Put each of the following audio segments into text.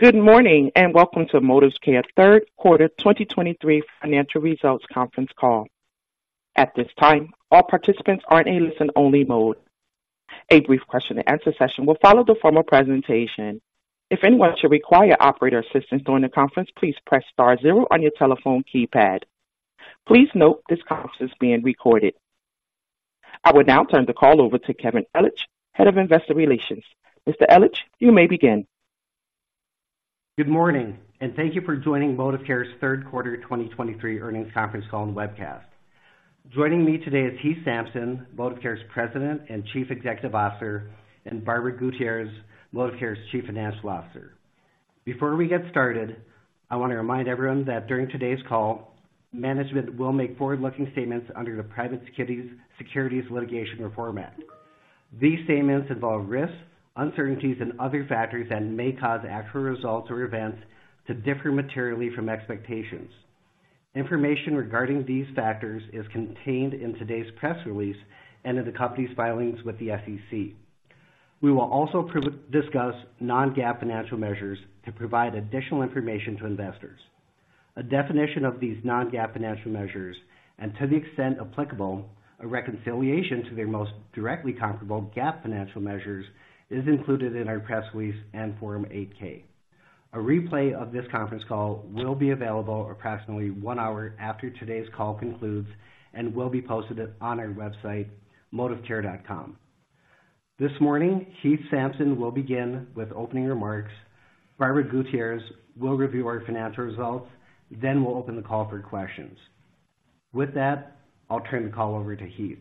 Good morning, and welcome to Modivcare's Third Quarter 2023 Financial Results Conference Call. At this time, all participants are in a listen-only mode. A brief question-and-answer session will follow the formal presentation. If anyone should require operator assistance during the conference, please press star zero on your telephone keypad. Please note this conference is being recorded. I will now turn the call over to Kevin Ellich, Head of Investor Relations. Mr. Ellich, you may begin. Good morning, and thank you for joining Modivcare's Third Quarter 2023 Earnings Conference Call and Webcast. Joining me today is Heath Sampson, Modivcare's President and Chief Executive Officer, and Barbara Gutierrez, Modivcare's Chief Financial Officer. Before we get started, I wanna remind everyone that during today's call, management will make forward-looking statements under the Private Securities Litigation Reform Act. These statements involve risks, uncertainties, and other factors that may cause actual results or events to differ materially from expectations. Information regarding these factors is contained in today's press release and in the company's filings with the SEC. We will also discuss non-GAAP financial measures to provide additional information to investors. A definition of these non-GAAP financial measures, and to the extent applicable, a reconciliation to their most directly comparable GAAP financial measures, is included in our press release and Form 8-K. A replay of this conference call will be available approximately one hour after today's call concludes and will be posted on our website, modivcare.com. This morning, Heath Sampson will begin with opening remarks. Barbara Gutierrez will review our financial results, then we'll open the call for questions. With that, I'll turn the call over to Heath.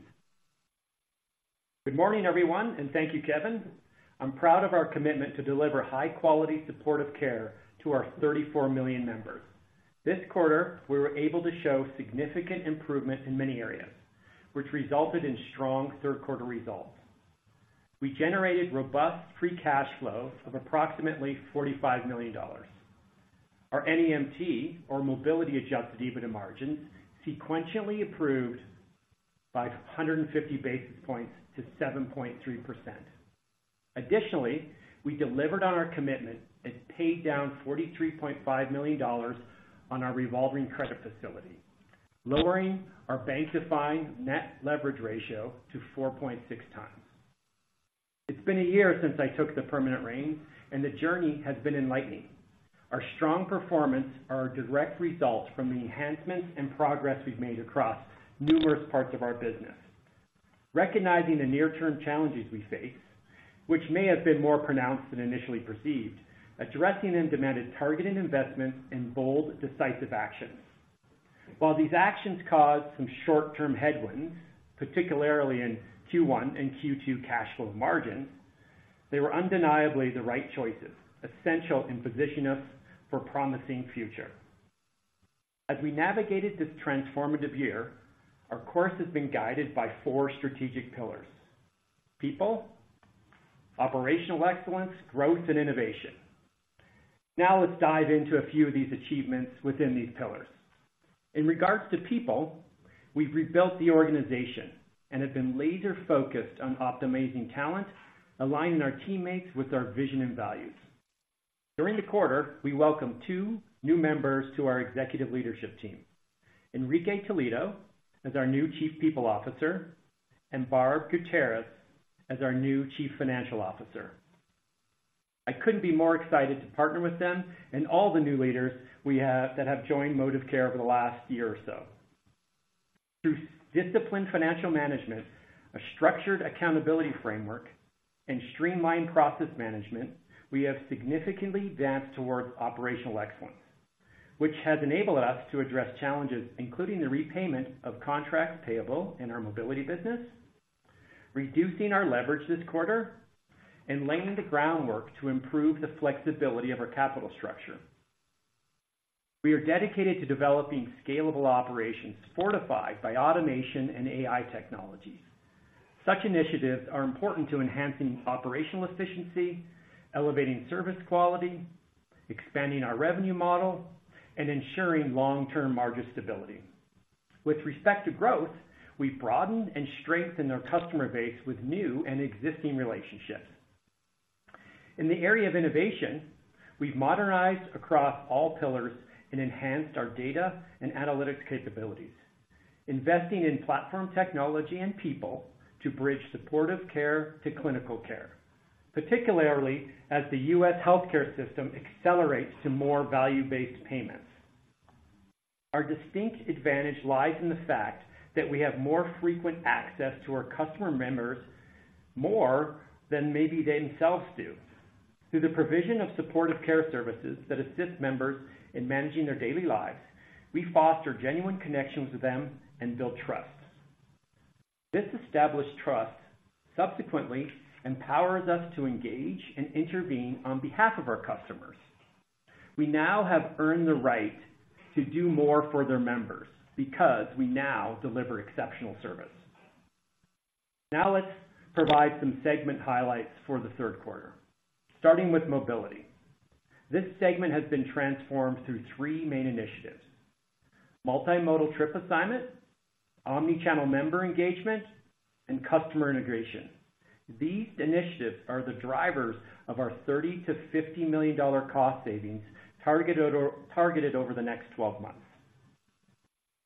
Good morning, everyone, and thank you, Kevin. I'm proud of our commitment to deliver high-quality supportive care to our 34 million members. This quarter, we were able to show significant improvement in many areas, which resulted in strong third quarter results. We generated robust free cash flow of approximately $45 million. Our NEMT, or mobility-adjusted EBITDA margin, sequentially improved by 150 basis points to 7.3%. Additionally, we delivered on our commitment and paid down $43.5 million on our revolving credit facility, lowering our bank-defined net leverage ratio to 4.6x. It's been a year since I took the permanent reins, and the journey has been enlightening. Our strong performance are a direct result from the enhancements and progress we've made across numerous parts of our business. Recognizing the near-term challenges we face, which may have been more pronounced than initially perceived, addressing them demanded targeted investments and bold, decisive actions. While these actions caused some short-term headwinds, particularly in Q1 and Q2 cash flow margins, they were undeniably the right choices, essential in positioning us for a promising future. As we navigated this transformative year, our course has been guided by four strategic pillars: people, operational excellence, growth, and innovation. Now, let's dive into a few of these achievements within these pillars. In regards to people, we've rebuilt the organization and have been laser-focused on optimizing talent, aligning our teammates with our vision and values. During the quarter, we welcomed two new members to our executive leadership team, Enrique Toledo, as our new Chief People Officer, and Barb Gutierrez as our new Chief Financial Officer. I couldn't be more excited to partner with them and all the new leaders we have that have joined Modivcare over the last year or so. Through disciplined financial management, a structured accountability framework, and streamlined process management, we have significantly advanced towards operational excellence, which has enabled us to address challenges, including the repayment of contracts payable in our mobility business, reducing our leverage this quarter, and laying the groundwork to improve the flexibility of our capital structure. We are dedicated to developing scalable operations fortified by automation and AI technologies. Such initiatives are important to enhancing operational efficiency, elevating service quality, expanding our revenue model, and ensuring long-term margin stability. With respect to growth, we've broadened and strengthened our customer base with new and existing relationships. In the area of innovation, we've modernized across all pillars and enhanced our data and analytics capabilities, investing in platform technology and people to bridge supportive care to clinical care, particularly as the U.S. healthcare system accelerates to more value-based payments. Our distinct advantage lies in the fact that we have more frequent access to our customer members, more than maybe they themselves do. Through the provision of supportive care services that assist members in managing their daily lives, we foster genuine connections with them and build trust. This established trust subsequently empowers us to engage and intervene on behalf of our customers. We now have earned the right to do more for their members because we now deliver exceptional service. Now, let's provide some segment highlights for the third quarter. Starting with mobility. This segment has been transformed through three main initiatives: multimodal trip assignment, omni-channel member engagement, and customer integration. These initiatives are the drivers of our $30 million-$50 million cost savings, targeted over the next 12 months.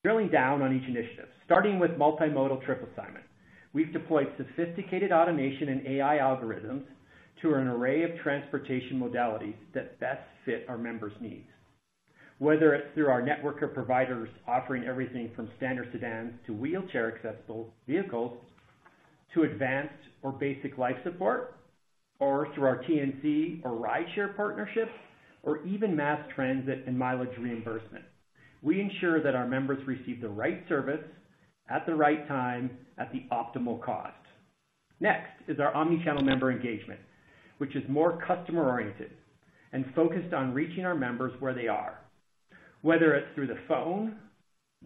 Drilling down on each initiative, starting with multimodal trip assignment. We've deployed sophisticated automation and AI algorithms to an array of transportation modalities that best fit our members' needs. Whether it's through our network of providers offering everything from standard sedans to wheelchair-accessible vehicles, to advanced or basic life support, or through our TNC or rideshare partnerships, or even mass transit and mileage reimbursement, we ensure that our members receive the right service, at the right time, at the optimal cost. Next is our omni-channel member engagement, which is more customer-oriented and focused on reaching our members where they are, whether it's through the phone,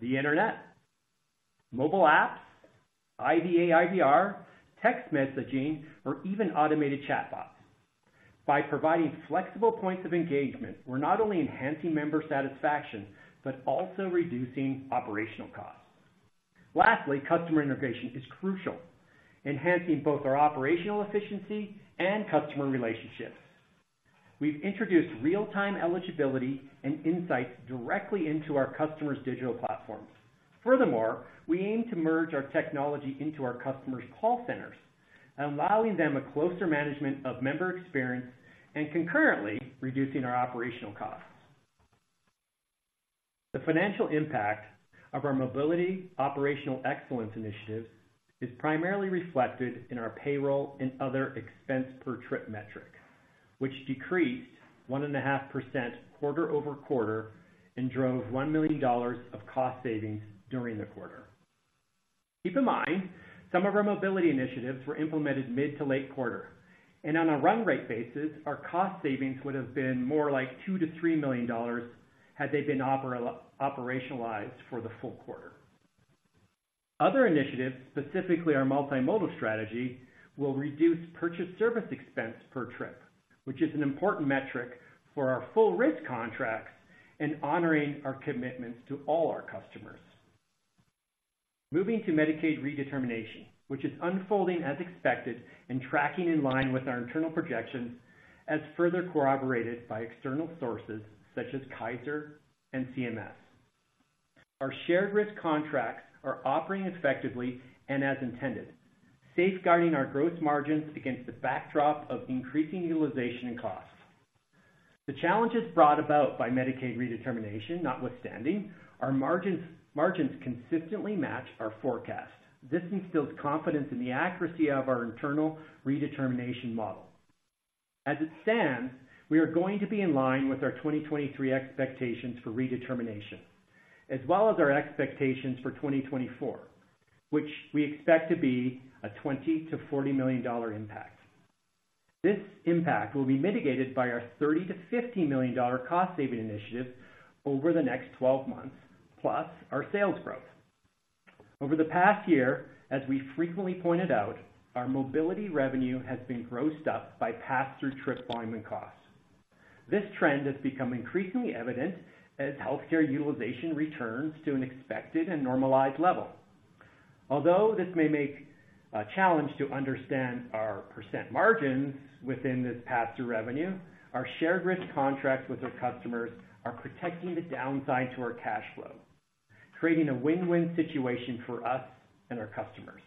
the internet, mobile apps, IVA, IVR, text messaging, or even automated chatbots. By providing flexible points of engagement, we're not only enhancing member satisfaction, but also reducing operational costs. Lastly, customer integration is crucial, enhancing both our operational efficiency and customer relationships. We've introduced real-time eligibility and insights directly into our customers' digital platforms. Furthermore, we aim to merge our technology into our customers' call centers, allowing them a closer management of member experience and concurrently reducing our operational costs. The financial impact of our mobility operational excellence initiatives is primarily reflected in our payroll and other expense per trip metric, which decreased 1.5% quarter-over-quarter and drove $1 million of cost savings during the quarter. Keep in mind, some of our mobility initiatives were implemented mid to late quarter, and on a run rate basis, our cost savings would have been more like $2 million-$3 million had they been operationalized for the full quarter. Other initiatives, specifically our multimodal strategy, will reduce purchase service expense per trip, which is an important metric for our full risk contracts and honoring our commitments to all our customers. Moving to Medicaid redetermination, which is unfolding as expected and tracking in line with our internal projections, as further corroborated by external sources such as Kaiser and CMS. Our shared risk contracts are operating effectively and as intended, safeguarding our gross margins against the backdrop of increasing utilization and costs. The challenges brought about by Medicaid redetermination notwithstanding, our margins consistently match our forecast. This instills confidence in the accuracy of our internal redetermination model. As it stands, we are going to be in line with our 2023 expectations for redetermination, as well as our expectations for 2024, which we expect to be a $20 million-$40 million impact. This impact will be mitigated by our $30 million-$50 million cost saving initiative over the next 12 months, plus our sales growth. Over the past year, as we frequently pointed out, our mobility revenue has been grossed up by pass-through trip volume and costs. This trend has become increasingly evident as healthcare utilization returns to an expected and normalized level. Although this may make a challenge to understand our percent margins within this pass-through revenue, our shared risk contracts with our customers are protecting the downside to our cash flow, creating a win-win situation for us and our customers.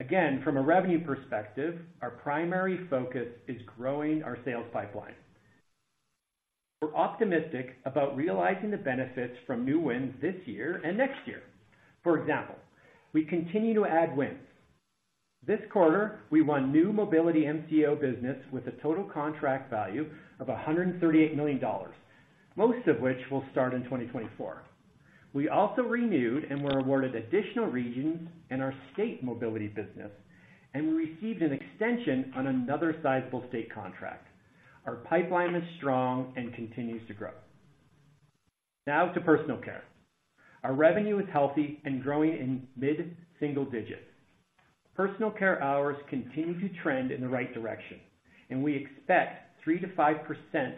Again, from a revenue perspective, our primary focus is growing our sales pipeline. We're optimistic about realizing the benefits from new wins this year and next year. For example, we continue to add wins. This quarter, we won new mobility MCO business with a total contract value of $138 million, most of which will start in 2024. We also renewed and were awarded additional regions in our state mobility business, and we received an extension on another sizable state contract. Our pipeline is strong and continues to grow. Now to personal care. Our revenue is healthy and growing in mid-single digits. Personal care hours continue to trend in the right direction, and we expect three to five percent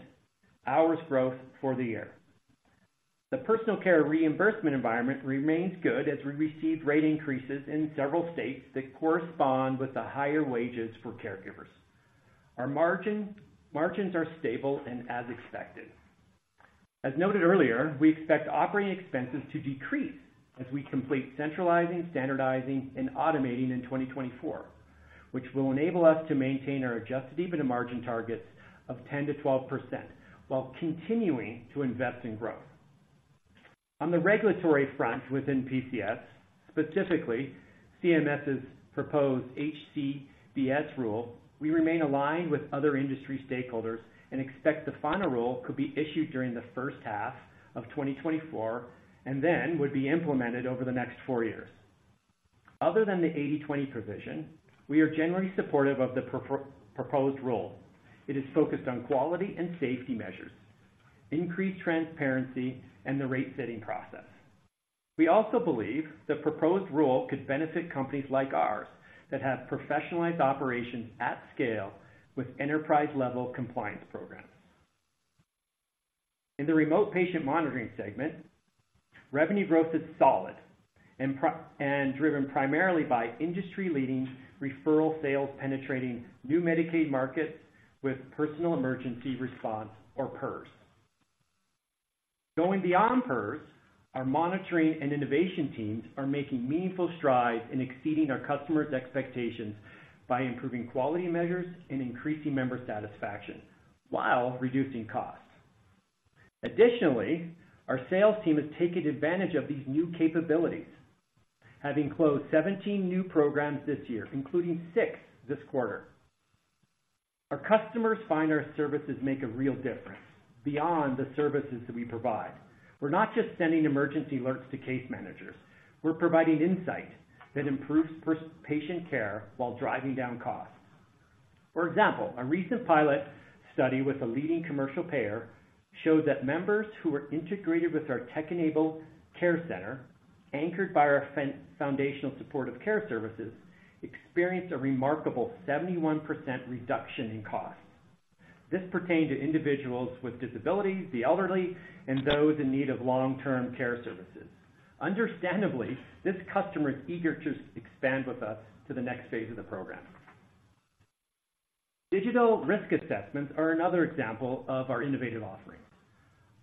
hours growth for the year. The personal care reimbursement environment remains good as we received rate increases in several states that correspond with the higher wages for caregivers. Our margins are stable and as expected. As noted earlier, we expect operating expenses to decrease as we complete centralizing, standardizing, and automating in 2024, which will enable us to maintain our adjusted EBITDA margin targets of 10%-12%, while continuing to invest in growth. On the regulatory front within PCS, specifically CMS's proposed HCBS rule, we remain aligned with other industry stakeholders and expect the final rule could be issued during the first half of 2024, and then would be implemented over the next four years. Other than the 80/20 provision, we are generally supportive of the proposed rule. It is focused on quality and safety measures, increased transparency, and the rate-setting process. We also believe the proposed rule could benefit companies like ours that have professionalized operations at scale with enterprise-level compliance programs. In the remote patient monitoring segment, revenue growth is solid and primarily driven by industry-leading referral sales, penetrating new Medicaid markets with personal emergency response, or PERS. Going beyond PERS, our monitoring and innovation teams are making meaningful strides in exceeding our customers' expectations by improving quality measures and increasing member satisfaction while reducing costs. Additionally, our sales team has taken advantage of these new capabilities, having closed 17 new programs this year, including six this quarter. Our customers find our services make a real difference beyond the services that we provide. We're not just sending emergency alerts to case managers. We're providing insight that improves patient care while driving down costs. For example, a recent pilot study with a leading commercial payer showed that members who were integrated with our tech-enabled care center, anchored by our foundational supportive care services, experienced a remarkable 71% reduction in costs. This pertained to individuals with disabilities, the elderly, and those in need of long-term care services. Understandably, this customer is eager to expand with us to the next phase of the program. Digital risk assessments are another example of our innovative offerings.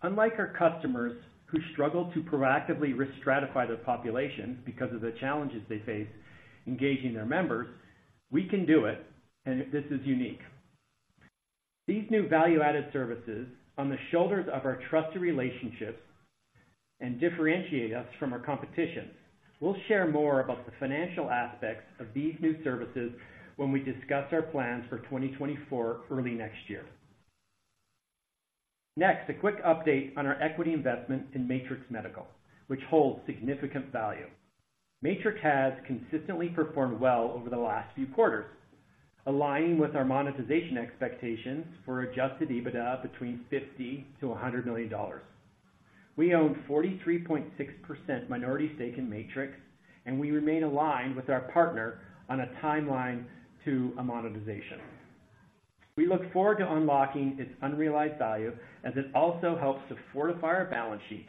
Unlike our customers, who struggle to proactively risk stratify their populations because of the challenges they face engaging their members, we can do it, and this is unique. These new value-added services on the shoulders of our trusted relationships and differentiate us from our competition. We'll share more about the financial aspects of these new services when we discuss our plans for 2024 early next year. Next, a quick update on our equity investment in Matrix Medical, which holds significant value. Matrix has consistently performed well over the last few quarters, aligning with our monetization expectations for Adjusted EBITDA between $50 million-$100 million. We own 43.6% minority stake in Matrix, and we remain aligned with our partner on a timeline to a monetization. We look forward to unlocking its unrealized value as it also helps to fortify our balance sheet,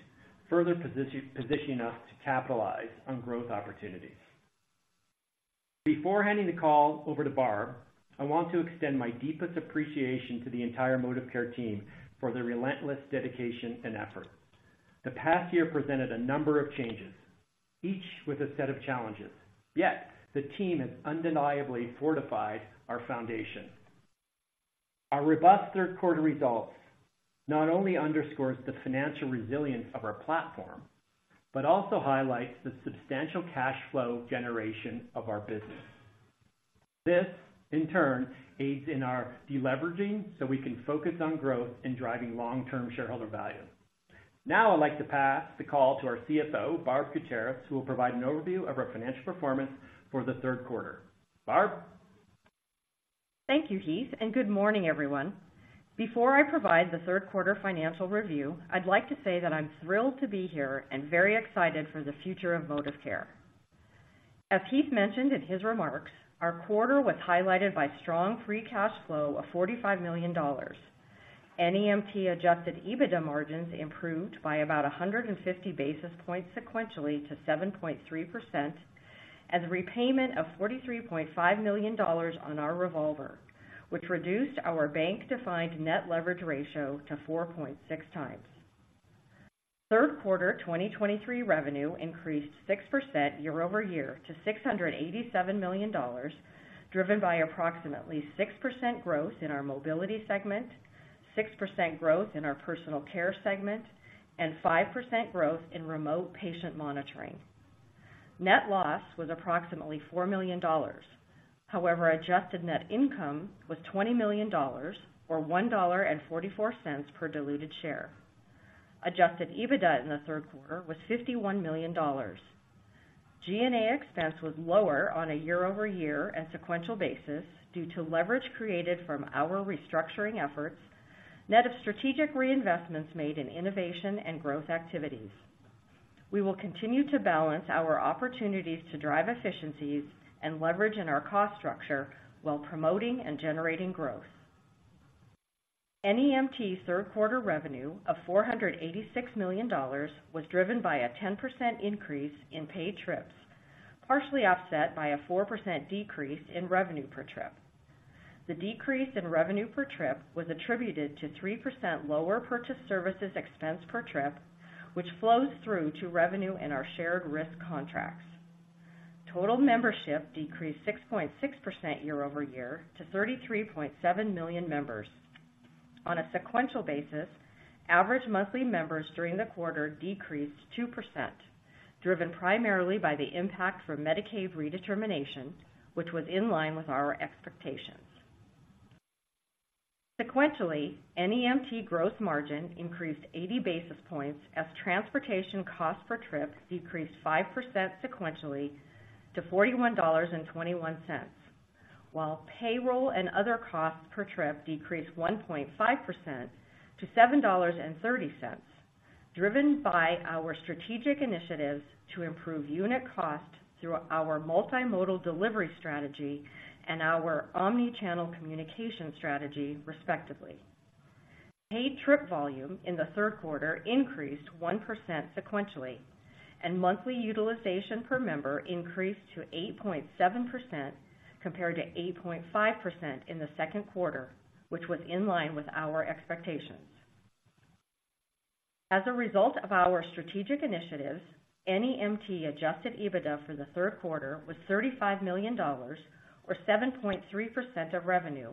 further position, positioning us to capitalize on growth opportunities. Before handing the call over to Barb, I want to extend my deepest appreciation to the entire Modivcare team for their relentless dedication and effort. The past year presented a number of changes, each with a set of challenges, yet the team has undeniably fortified our foundation. Our robust third quarter results not only underscores the financial resilience of our platform, but also highlights the substantial cash flow generation of our business. This, in turn, aids in our deleveraging, so we can focus on growth and driving long-term shareholder value. Now, I'd like to pass the call to our CFO, Barb Gutierrez, who will provide an overview of our financial performance for the third quarter. Barb? Thank you, Heath, and good morning, everyone. Before I provide the third quarter financial review, I'd like to say that I'm thrilled to be here and very excited for the future of Modivcare. As Heath mentioned in his remarks, our quarter was highlighted by strong free cash flow of $45 million. NEMT Adjusted EBITDA margins improved by about 150 basis points sequentially to 7.3%, as repayment of $43.5 million on our revolver, which reduced our bank-defined net leverage ratio to 4.6x. Third quarter 2023 revenue increased six percent year-over-year to $687 million, driven by approximately six percent growth in our mobility segment, six percent growth in our personal care segment, and five percent growth in remote patient monitoring. Net loss was approximately $4 million. However, adjusted net income was $20 million, or $1.44 per diluted share. Adjusted EBITDA in the third quarter was $51 million. G&A expense was lower on a year-over-year and sequential basis due to leverage created from our restructuring efforts, net of strategic reinvestments made in innovation and growth activities. We will continue to balance our opportunities to drive efficiencies and leverage in our cost structure while promoting and generating growth. NEMT third quarter revenue of $486 million was driven by a 10% increase in paid trips, partially offset by a four percent decrease in revenue per trip. The decrease in revenue per trip was attributed to three percent lower purchased services expense per trip, which flows through to revenue in our shared risk contracts. Total membership decreased 6.6% year-over-year to 33.7 million members. On a sequential basis, average monthly members during the quarter decreased two percent, driven primarily by the impact from Medicaid redetermination, which was in line with our expectations. Sequentially, NEMT gross margin increased 80 basis points as transportation costs per trip decreased five percent sequentially to $41.21, while payroll and other costs per trip decreased 1.5% to $7.30, driven by our strategic initiatives to improve unit costs through our multimodal delivery strategy and our omni-channel communication strategy, respectively. Paid trip volume in the third quarter increased one percent sequentially, and monthly utilization per member increased to 8.7%, compared to 8.5% in the second quarter, which was in line with our expectations. As a result of our strategic initiatives, NEMT Adjusted EBITDA for the third quarter was $35 million, or 7.3% of revenue,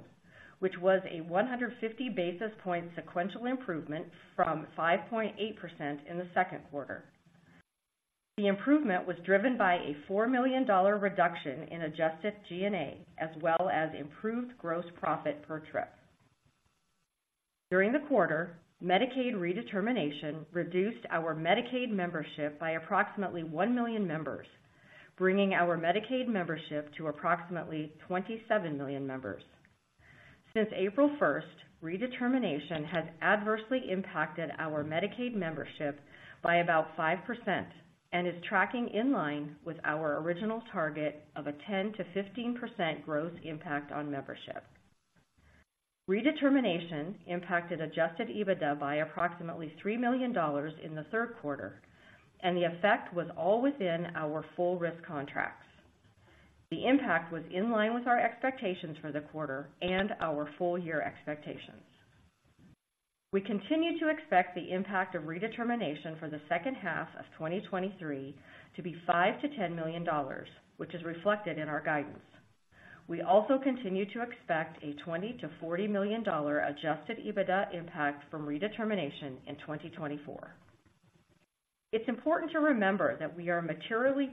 which was a 150 basis point sequential improvement from 5.8% in the second quarter. The improvement was driven by a $4 million reduction in adjusted G&A, as well as improved gross profit per trip. During the quarter, Medicaid redetermination reduced our Medicaid membership by approximately 1 million members, bringing our Medicaid membership to approximately 27 million members. Since April 1st, redetermination has adversely impacted our Medicaid membership by about five percent and is tracking in line with our original target of a 10%-15% growth impact on membership. Redetermination impacted Adjusted EBITDA by approximately $3 million in the third quarter, and the effect was all within our full risk contracts. The impact was in line with our expectations for the quarter and our full year expectations. We continue to expect the impact of redetermination for the second half of 2023 to be $5 million-$10 million, which is reflected in our guidance. We also continue to expect a $20 million-$40 million Adjusted EBITDA impact from redetermination in 2024. It's important to remember that we are materially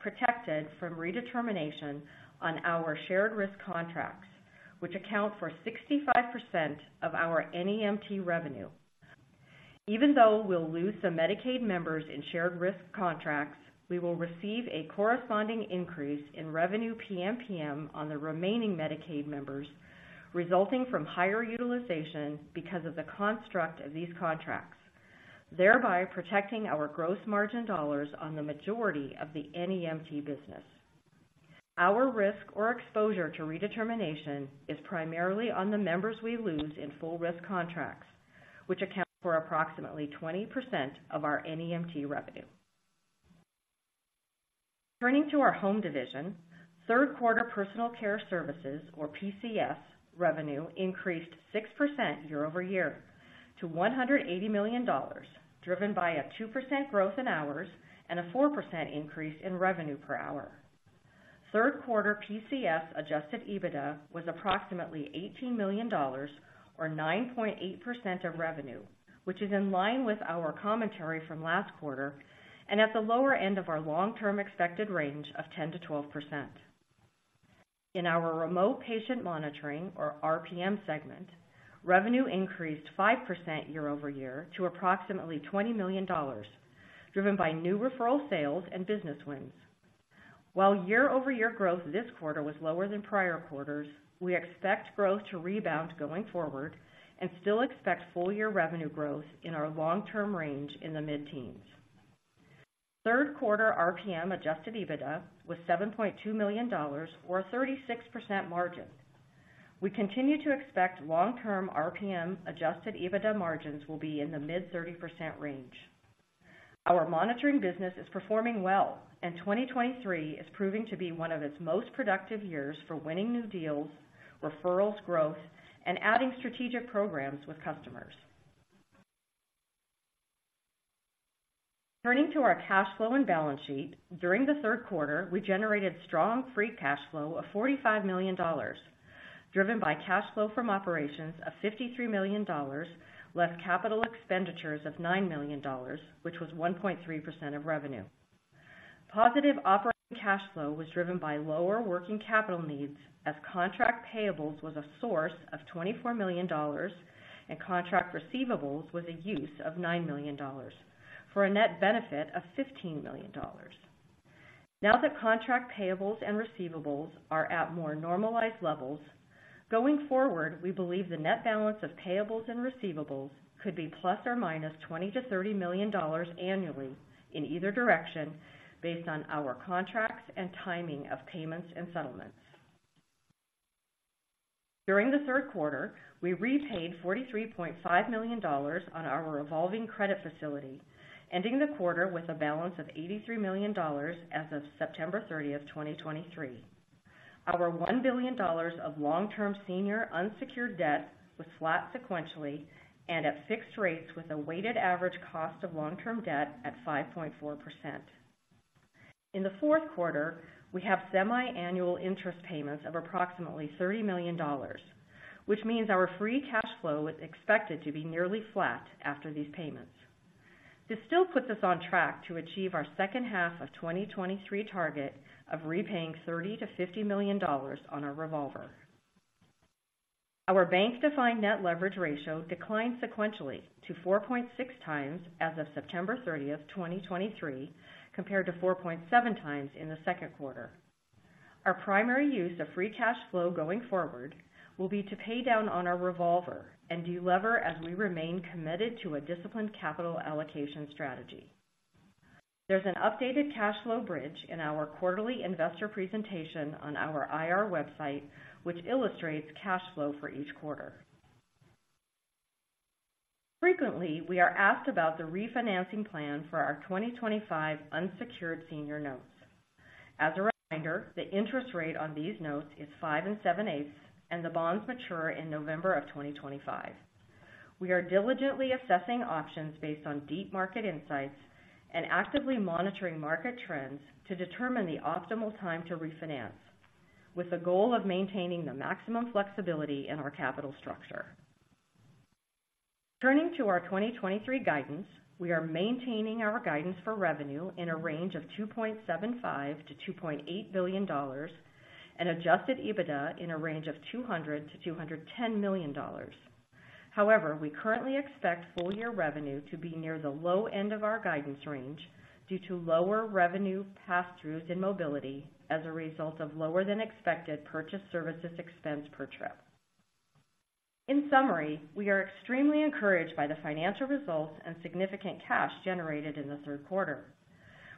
protected from redetermination on our Shared Risk contracts, which account for 65% of our NEMT revenue. Even though we'll lose some Medicaid members in Shared Risk contracts, we will receive a corresponding increase in revenue PMPM on the remaining Medicaid members, resulting from higher utilization because of the construct of these contracts, thereby protecting our gross margin dollars on the majority of the NEMT business. Our risk or exposure to redetermination is primarily on the members we lose in full risk contracts, which account for approximately 20% of our NEMT revenue. Turning to our home division, third quarter personal care services, or PCS, revenue increased six percent year-over-year to $180 million, driven by a two percent growth in hours and a four percent increase in revenue per hour. Third quarter PCS Adjusted EBITDA was approximately $18 million, or 9.8% of revenue, which is in line with our commentary from last quarter, and at the lower end of our long-term expected range of 10%-12%. In our remote patient monitoring, or RPM segment, revenue increased five percent year-over-year to approximately $20 million, driven by new referral sales and business wins. While year-over-year growth this quarter was lower than prior quarters, we expect growth to rebound going forward and still expect full year revenue growth in our long-term range in the mid-teens. Third quarter RPM Adjusted EBITDA was $7.2 million, or a 36% margin. We continue to expect long-term RPM Adjusted EBITDA margins will be in the mid-30% range. Our monitoring business is performing well, and 2023 is proving to be one of its most productive years for winning new deals, referrals, growth, and adding strategic programs with customers. Turning to our cash flow and balance sheet, during the third quarter, we generated strong free cash flow of $45 million, driven by cash flow from operations of $53 million, less capital expenditures of $9 million, which was 1.3% of revenue. Positive operating cash flow was driven by lower working capital needs, as contract payables was a source of $24 million, and contract receivables was a use of $9 million, for a net benefit of $15 million. Now that contract payables and receivables are at more normalized levels, going forward, we believe the net balance of payables and receivables could be ±$20 million-$30 million annually in either direction, based on our contracts and timing of payments and settlements. During the third quarter, we repaid $43.5 million on our revolving credit facility, ending the quarter with a balance of $83 million as of September 30th, 2023. Our $1 billion of long-term senior unsecured debt was flat sequentially and at fixed rates, with a weighted average cost of long-term debt at 5.4%. In the fourth quarter, we have semiannual interest payments of approximately $30 million, which means our free cash flow is expected to be nearly flat after these payments. This still puts us on track to achieve our second half of 2023 target of repaying $30 million-$50 million on our revolver. Our bank-defined net leverage ratio declined sequentially to 4.6x as of September 30th, 2023, compared to 4.7x in the second quarter. Our primary use of free cash flow going forward will be to pay down on our revolver and delever as we remain committed to a disciplined capital allocation strategy. There's an updated cash flow bridge in our quarterly investor presentation on our IR website, which illustrates cash flow for each quarter. Frequently, we are asked about the refinancing plan for our 2025 unsecured senior notes. As a reminder, the interest rate on these notes is 5% and 7%, 8%, and the bonds mature in November 2025. We are diligently assessing options based on deep market insights and actively monitoring market trends to determine the optimal time to refinance, with the goal of maintaining the maximum flexibility in our capital structure. Turning to our 2023 guidance, we are maintaining our guidance for revenue in a range of $2.75 billion-$2.8 billion and Adjusted EBITDA in a range of $200 million-$210 million. However, we currently expect full year revenue to be near the low end of our guidance range due to lower revenue passthroughs in mobility as a result of lower than expected purchase services expense per trip. In summary, we are extremely encouraged by the financial results and significant cash generated in the third quarter.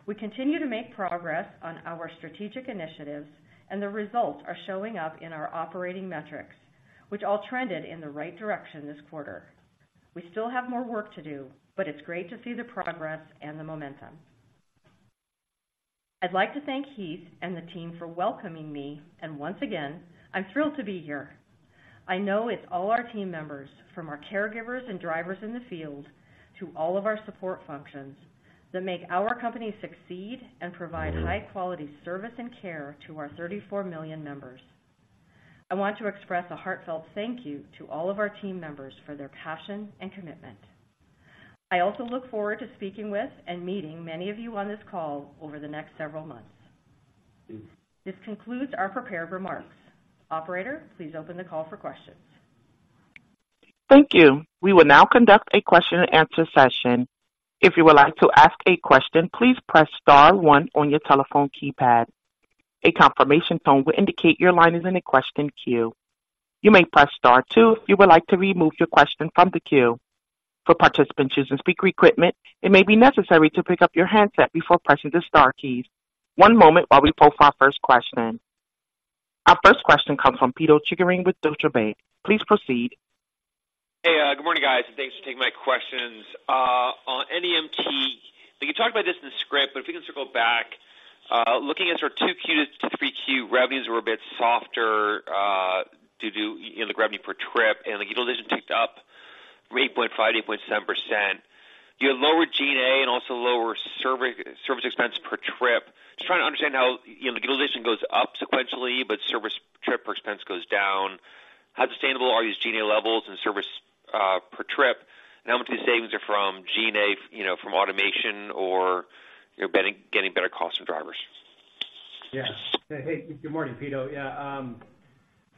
We continue to make progress on our strategic initiatives, and the results are showing up in our operating metrics, which all trended in the right direction this quarter. We still have more work to do, but it's great to see the progress and the momentum. I'd like to thank Heath and the team for welcoming me, and once again, I'm thrilled to be here. I know it's all our team members, from our caregivers and drivers in the field, to all of our support functions, that make our company succeed and provide high quality service and care to our 34 million members. I want to express a heartfelt thank you to all of our team members for their passion and commitment. I also look forward to speaking with and meeting many of you on this call over the next several months. This concludes our prepared remarks. Operator, please open the call for questions. Thank you. We will now conduct a question and answer session. If you would like to ask a question, please press star one on your telephone keypad. A confirmation tone will indicate your line is in a question queue. You may press star two if you would like to remove your question from the queue. For participants using speaker equipment, it may be necessary to pick up your handset before pressing the star keys. One moment while we pull for our first question. Our first question comes from Pito Chickering with Deutsche Bank. Please proceed. Hey, good morning, guys, and thanks for taking my questions. On NEMT, you talked about this in the script, but if you can circle back, looking at our Q2-Q3, revenues were a bit softer, due to, you know, the revenue per trip, and the utilization ticked up from 8.5%-8.7%. You had lower G&A and also lower service expense per trip. Just trying to understand how, you know, the utilization goes up sequentially, but service expense per trip goes down. How sustainable are these G&A levels and service per trip, and how much of these savings are from G&A, you know, from automation or, you know, getting better costs from drivers? Yes. Hey, good morning, Peter. Yeah,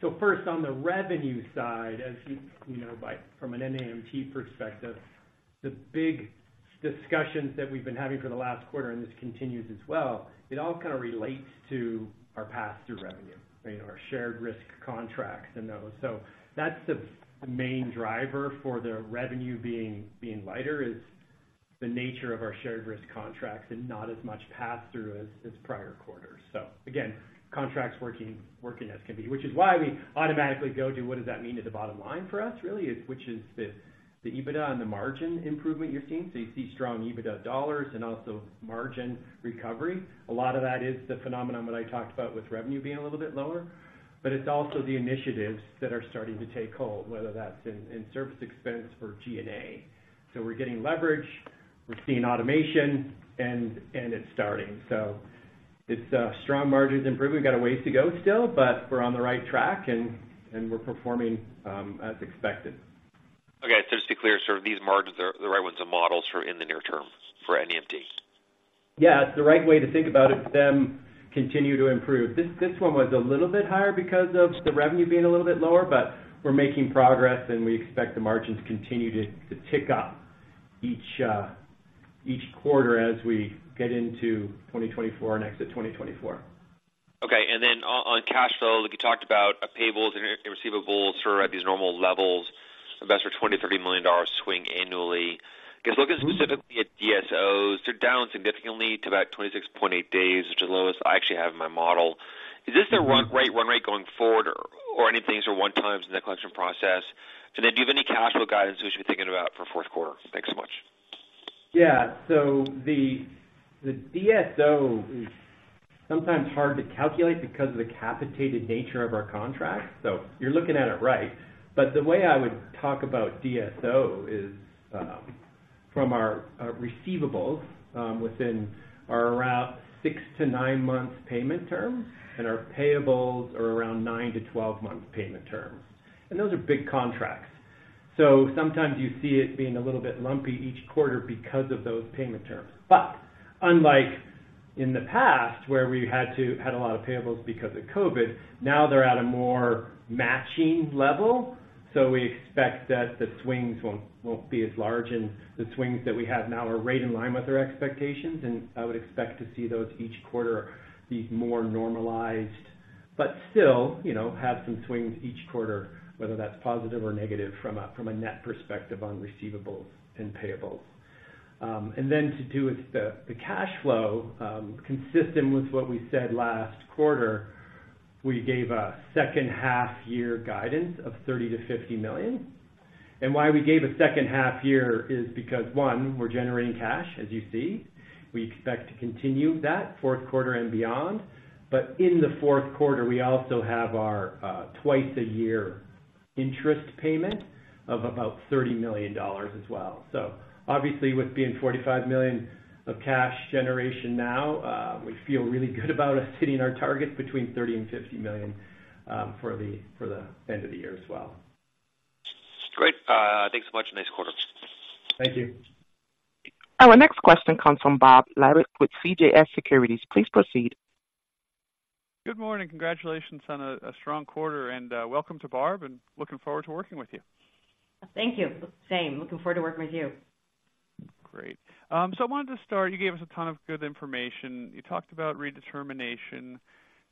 so first, on the revenue side, as you know, from an NEMT perspective, the big discussions that we've been having for the last quarter, and this continues as well, it all kind of relates to our pass-through revenue, you know, our shared risk contracts and those. So that's the main driver for the revenue being lighter, is the nature of our shared risk contracts and not as much pass-through as prior quarters. So again, contracts working as can be, which is why we automatically go to what does that mean to the bottom line for us, really, which is the EBITDA and the margin improvement you're seeing. So you see strong EBITDA dollars and also margin recovery. A lot of that is the phenomenon that I talked about with revenue being a little bit lower, but it's also the initiatives that are starting to take hold, whether that's in service expense or G&A. So we're getting leverage, we're seeing automation, and it's starting. So it's strong margins improvement. We've got a ways to go still, but we're on the right track, and we're performing as expected. Okay, just to be clear, so these margins are the right ones and models for in the near term for NEMT? Yeah, it's the right way to think about it, then continue to improve. This one was a little bit higher because of the revenue being a little bit lower, but we're making progress, and we expect the margins to continue to tick up each quarter as we get into 2024 and exit 2024. Okay, and then on cash flow, like you talked about, payables and receivables are at these normal levels, investor $20 million-$30 million swing annually. Because looking specifically at DSOs, they're down significantly to about 26.8 days, which is the lowest I actually have in my model. Is this the run rate going forward or anything, so one times in the collection process? And then do you have any cash flow guidance we should be thinking about for fourth quarter? Thanks so much. Yeah. So the DSO is sometimes hard to calculate because of the capitated nature of our contract, so you're looking at it right. But the way I would talk about DSO is from our receivables within or around six to nine months payment terms, and our payables are around nine to 12 months payment terms, and those are big contracts. So sometimes you see it being a little bit lumpy each quarter because of those payment terms. But unlike in the past, where we had a lot of payables because of COVID, now they're at a more matching level. So we expect that the swings won't be as large, and the swings that we have now are right in line with our expectations. And I would expect to see those each quarter be more normalized, but still, you know, have some swings each quarter, whether that's positive or negative, from a net perspective on receivables and payables. And then to do with the cash flow, consistent with what we said last quarter, we gave a second half year guidance of $30 million-$50 million. And why we gave a second half year is because, one, we're generating cash, as you see. We expect to continue that fourth quarter and beyond. But in the fourth quarter, we also have our, twice-a-year interest payment of about $30 million as well. So obviously, with being 45 million of cash generation now, we feel really good about us hitting our target between $30 million and $50 million, for the, for the end of the year as well. Great. Thanks so much. Nice quarter. Thank you. Our next question comes from Bob Labick with CJS Securities. Please proceed. Good morning. Congratulations on a strong quarter, and welcome to Barb, and looking forward to working with you. Thank you. Same. Looking forward to working with you. Great. So I wanted to start, you gave us a ton of good information. You talked about redetermination,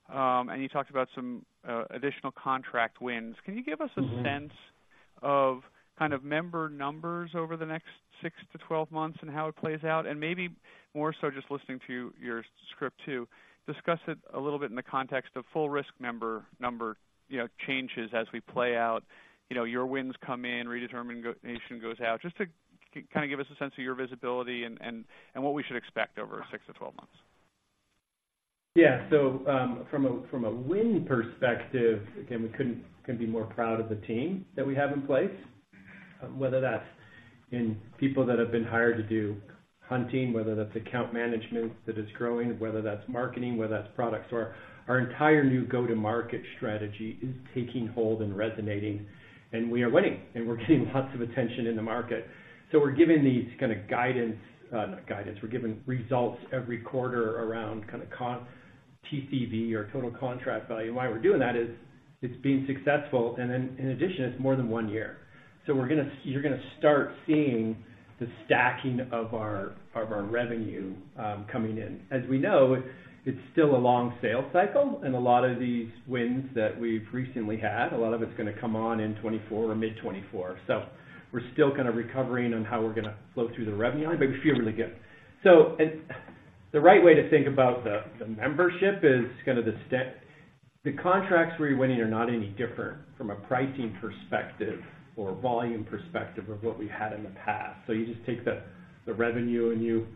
and you talked about some additional contract wins. Can you give us a sense of kind of member numbers over the next six to 12 months and how it plays out? And maybe more so just listening to your script, too, discuss it a little bit in the context of full risk member number, you know, changes as we play out. You know, your wins come in, redetermination goes out. Just to kinda give us a sense of your visibility and what we should expect over six to 12 months. Yeah. So, from a win perspective, again, we couldn't be more proud of the team that we have in place, whether that's in people that have been hired to do hunting, whether that's account management that is growing, whether that's marketing, whether that's products. So our entire new go-to-market strategy is taking hold and resonating, and we are winning, and we're getting lots of attention in the market. So we're giving these kinda guidance, not guidance, we're giving results every quarter around kinda contract TCV or total contract value. Why we're doing that is it's been successful, and then in addition, it's more than one year. So we're gonna—you're gonna start seeing the stacking of our revenue coming in. As we know, it's still a long sales cycle, and a lot of these wins that we've recently had, a lot of it's gonna come on in 2024 or mid-2024. So we're still kind of recovering on how we're gonna flow through the revenue line, but we feel really good. So, the right way to think about the membership is kind of the contracts we're winning are not any different from a pricing perspective or volume perspective of what we had in the past. So you just take the revenue, and you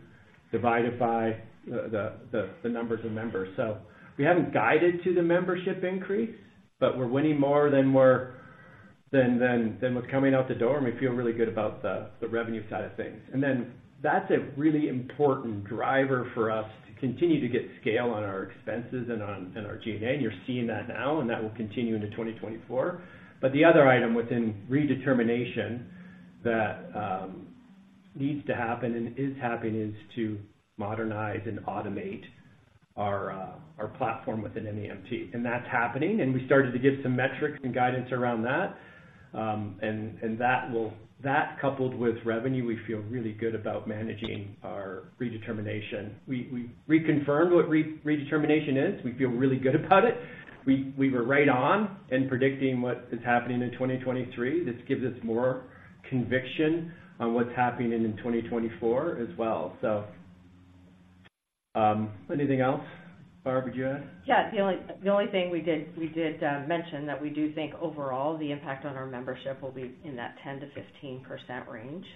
divide it by the numbers of members. So we haven't guided to the membership increase, but we're winning more than we're than what's coming out the door, and we feel really good about the revenue side of things. And then that's a really important driver for us to continue to get scale on our expenses and on in our G&A, and you're seeing that now, and that will continue into 2024. But the other item within redetermination that needs to happen and is happening is to modernize and automate our platform within NEMT. And that's happening, and we started to give some metrics and guidance around that. And that will—that coupled with revenue, we feel really good about managing our redetermination. We reconfirmed what redetermination is. We feel really good about it. We were right on in predicting what is happening in 2023. This gives us more conviction on what's happening in 2024 as well. So, anything else, Barb, would you add? Yeah. The only thing we did mention that we do think overall, the impact on our membership will be in that 10%-15% range,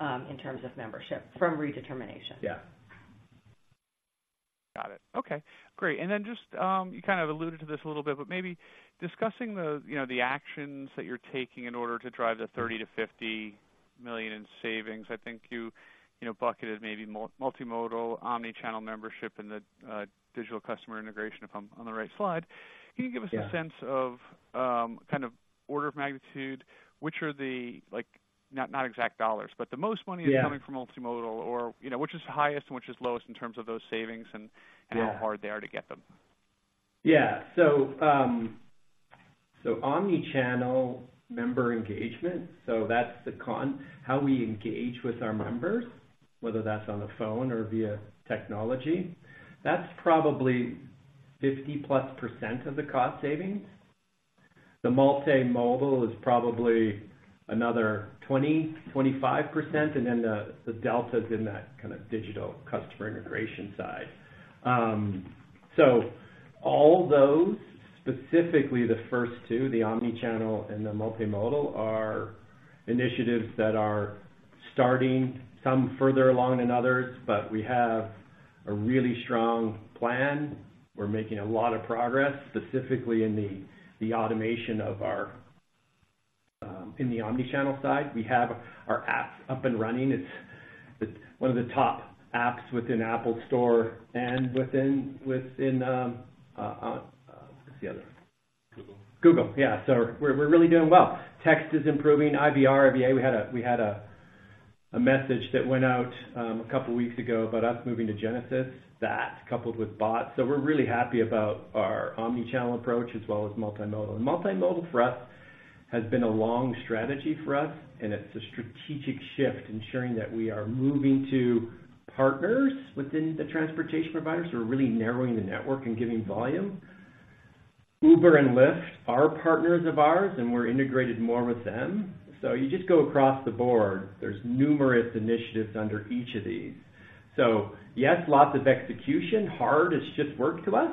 in terms of membership from redetermination. Yeah. Got it. Okay, great. And then just, you kind of alluded to this a little bit, but maybe discussing the, you know, the actions that you're taking in order to drive the $30 million-$50 million in savings. I think you, you know, bucketed maybe multimodal, omni-channel membership and the digital customer integration, if I'm on the right slide. Yeah. Can you give us a sense of, kind of order of magnitude, which are the like, not, not exact dollars, but the most money- Yeah - is coming from multimodal or, you know, which is highest and which is lowest in terms of those savings, and- Yeah -how hard they are to get them? Yeah. So, so omni-channel member engagement, so that's how we engage with our members, whether that's on the phone or via technology. That's probably 50%+ of the cost savings. The multimodal is probably another 20%-25%, and then the delta is in that kind of digital customer integration side. So all those, specifically the first two, the omni-channel and the multimodal, are initiatives that are starting, some further along than others, but we have a really strong plan. We're making a lot of progress, specifically in the automation of our in the omni-channel side. We have our apps up and running. It's one of the top apps within Apple App Store and within... What's the other one? Google. Google. Yeah, so we're really doing well. Text is improving, IVR, IVA. We had a message that went out a couple of weeks ago about us moving to Genesys. That coupled with bots. So we're really happy about our omni-channel approach as well as multimodal. And multimodal, for us, has been a long strategy for us, and it's a strategic shift, ensuring that we are moving to partners within the transportation providers, so we're really narrowing the network and giving volume. Uber and Lyft are partners of ours, and we're integrated more with them. So you just go across the board. There's numerous initiatives under each of these. So yes, lots of execution. Hard is just work to us,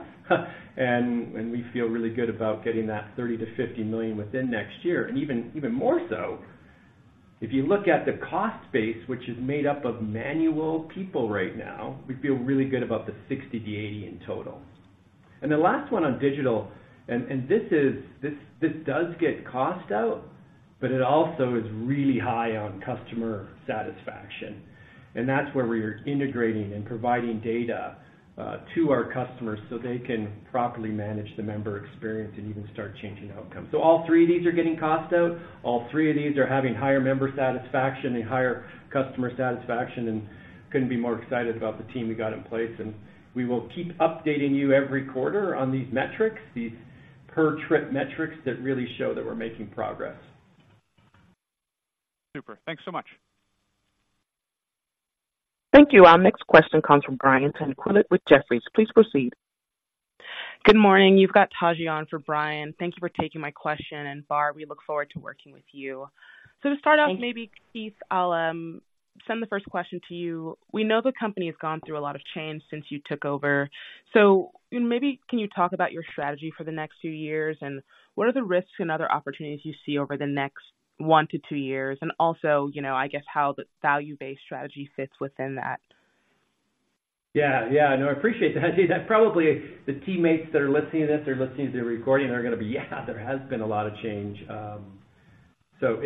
and we feel really good about getting that $30 million-$50 million within next year. Even more so, if you look at the cost base, which is made up of manual people right now, we feel really good about the 60-80 in total. And the last one on digital, and this is—this does get cost out, but it also is really high on customer satisfaction. And that's where we are integrating and providing data to our customers so they can properly manage the member experience and even start changing outcomes. So all three of these are getting cost out. All three of these are having higher member satisfaction and higher customer satisfaction, and couldn't be more excited about the team we got in place. And we will keep updating you every quarter on these metrics, these per-trip metrics that really show that we're making progress. Super. Thanks so much. Thank you. Our next question comes from Brian Tanquilut with Jefferies. Please proceed. Good morning. You've got Taji on for Brian. Thank you for taking my question, and Barb, we look forward to working with you. Thank you. So to start off, maybe, Heath, I'll send the first question to you. We know the company has gone through a lot of change since you took over. So maybe can you talk about your strategy for the next few years, and what are the risks and other opportunities you see over the next one to two years? And also, you know, I guess, how the value-based strategy fits within that. Yeah, yeah. No, I appreciate that. Probably the teammates that are listening to this, they're listening to the recording, they're going to be, "Yeah, there has been a lot of change." So,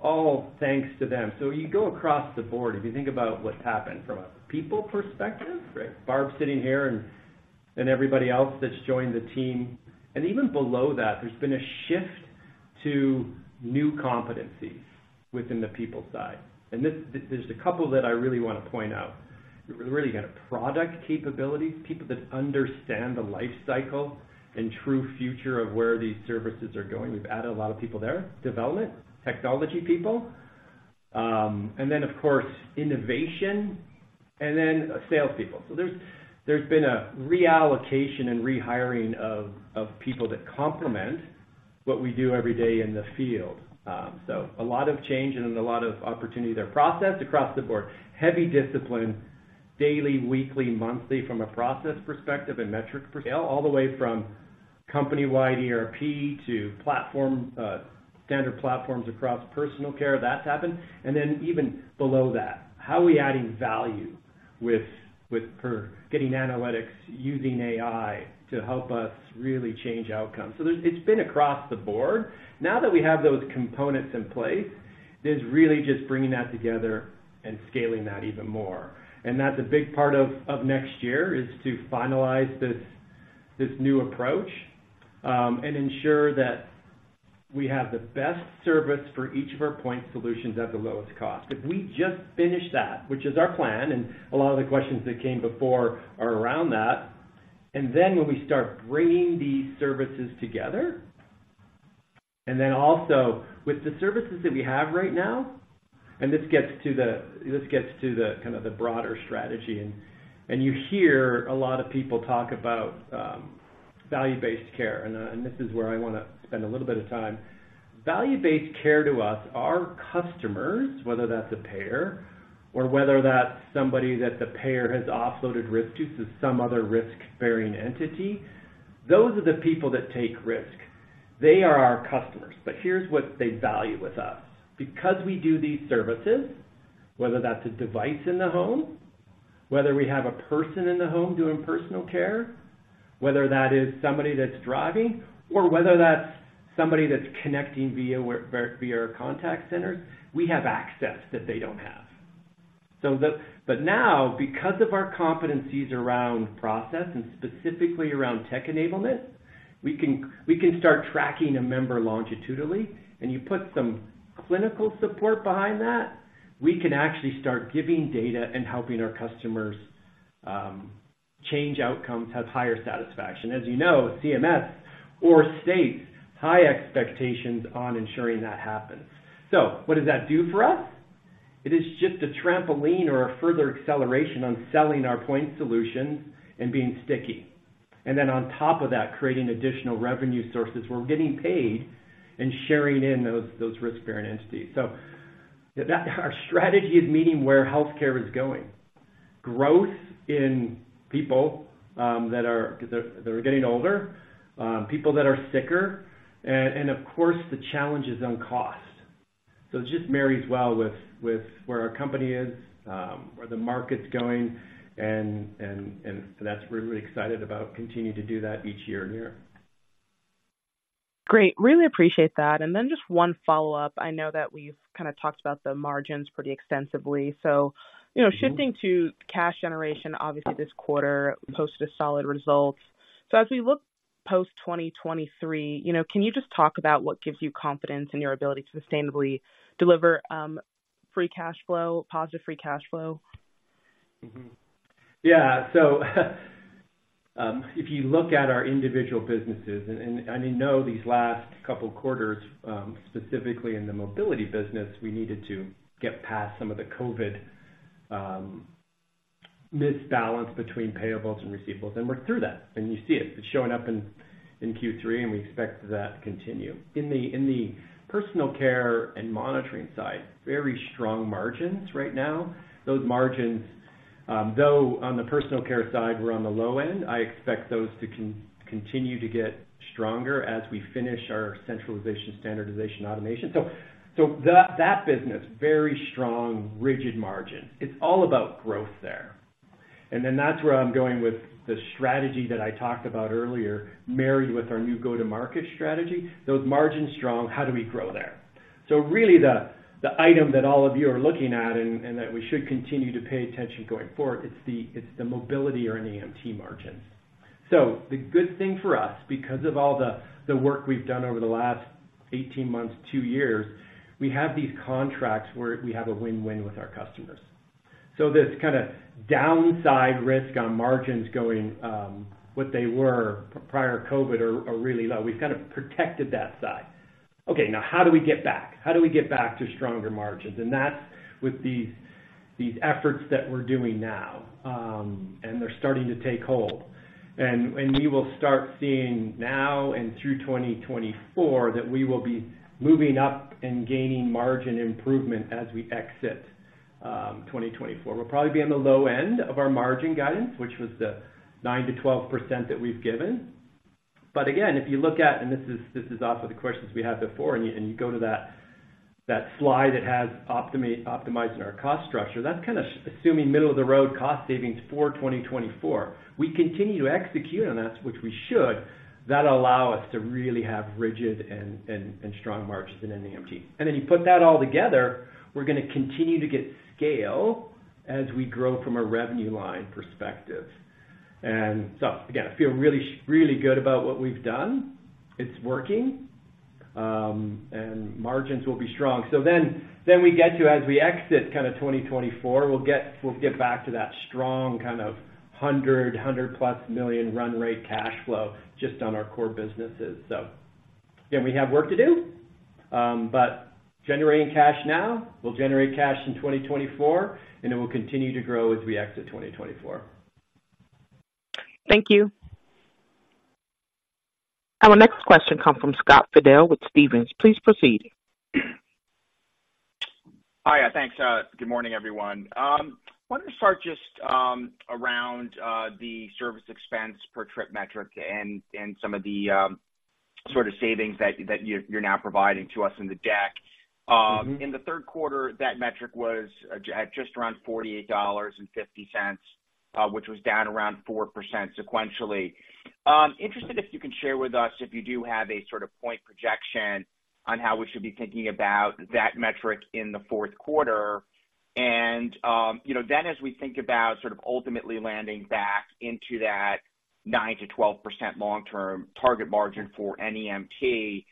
all thanks to them. So you go across the board, if you think about what's happened from a people perspective, right? Barb sitting here and everybody else that's joined the team. And even below that, there's been a shift to new competencies within the people side. And this, there's a couple that I really want to point out. We've really got a product capability, people that understand the life cycle and true future of where these services are going. We've added a lot of people there, development, technology people, and then, of course, innovation and then salespeople. So there's been a reallocation and rehiring of people that complement what we do every day in the field. So a lot of change and a lot of opportunity there. Process across the board, heavy discipline, daily, weekly, monthly from a process perspective and metric scale, all the way from company-wide ERP to platform, standard platforms across personal care, that's happened. And then even below that, how are we adding value with forecasting analytics, using AI to help us really change outcomes? So it's been across the board. Now that we have those components in place, it's really just bringing that together and scaling that even more. And that's a big part of next year, is to finalize this new approach, and ensure that we have the best service for each of our point solutions at the lowest cost. If we just finish that, which is our plan, and a lot of the questions that came before are around that, and then when we start bringing these services together, and then also with the services that we have right now, and this gets to the, this gets to the kind of the broader strategy. You hear a lot of people talk about value-based care, and this is where I want to spend a little bit of time. Value-based care to us, our customers, whether that's a payer or whether that's somebody that the payer has offloaded risk to, so some other risk-bearing entity, those are the people that take risk. They are our customers, but here's what they value with us. Because we do these services, whether that's a device in the home, whether we have a person in the home doing personal care, whether that is somebody that's driving, or whether that's somebody that's connecting via our contact centers, we have access that they don't have. But now, because of our competencies around process and specifically around tech enablement, we can, we can start tracking a member longitudinally, and you put some clinical support behind that, we can actually start giving data and helping our customers change outcomes, have higher satisfaction. As you know, CMS or states high expectations on ensuring that happens. So what does that do for us? It is just a trampoline or a further acceleration on selling our point solutions and being sticky. And then on top of that, creating additional revenue sources. We're getting paid and sharing in those risk-bearing entities. So that our strategy is meeting where healthcare is going. Growth in people that are getting older, people that are sicker, and of course, the challenges on cost. So it just marries well with where our company is, where the market's going, and that's we're really excited about continuing to do that each year and year. Great, really appreciate that. And then just one follow-up. I know that we've kind of talked about the margins pretty extensively. So, you know, shifting to cash generation, obviously, this quarter posted a solid result. So as we look post 2023, you know, can you just talk about what gives you confidence in your ability to sustainably deliver, free cash flow, positive free cash flow? Mm-hmm. Yeah. So, if you look at our individual businesses, and I know these last couple of quarters, specifically in the mobility business, we needed to get past some of the COVID imbalance between payables and receivables, and we're through that, and you see it. It's showing up in Q3, and we expect that to continue. In the personal care and monitoring side, very strong margins right now. Those margins, though, on the personal care side, we're on the low end. I expect those to continue to get stronger as we finish our centralization, standardization, automation. So, that business, very strong, rigid margin. It's all about growth there. And then that's where I'm going with the strategy that I talked about earlier, married with our new go-to-market strategy. Those margins strong, how do we grow there? So really, the item that all of you are looking at and that we should continue to pay attention going forward, it's the mobility or NEMT margins. So the good thing for us, because of all the work we've done over the last 18 months, two years, we have these contracts where we have a win-win with our customers. So this kinda downside risk on margins going, what they were prior to COVID are really low. We've kind of protected that side. Okay, now, how do we get back? How do we get back to stronger margins? And that's with these efforts that we're doing now, and they're starting to take hold. And you will start seeing now and through 2024, that we will be moving up and gaining margin improvement as we exit 2024. We'll probably be on the low end of our margin guidance, which was the nine to 12% that we've given. But again, if you look at, and this is also the questions we had before, and you go to that slide that has optimizing our cost structure, that's kind of assuming middle-of-the-road cost savings for 2024. We continue to execute on this, which we should, that'll allow us to really have rigid and strong margins in NEMT. And then you put that all together, we're gonna continue to get scale as we grow from a revenue line perspective. And so again, I feel really, really good about what we've done. It's working, and margins will be strong. So then we get to as we exit kind of 2024, we'll get back to that strong kind of $100+ million run rate cash flow just on our core businesses. So again, we have work to do, but generating cash now, we'll generate cash in 2024, and it will continue to grow as we exit 2024. Thank you. Our next question comes from Scott Fidel with Stephens. Please proceed. Hi, thanks. Good morning, everyone. Wanted to start just around the service expense per trip metric and some of the sort of savings that you're now providing to us in the deck. In the third quarter, that metric was at just around $48.50, which was down around four percent sequentially. Interested if you can share with us, if you do have a sort of point projection on how we should be thinking about that metric in the fourth quarter. You know, then as we think about sort of ultimately landing back into that nine to 12% long-term target margin for NEMT,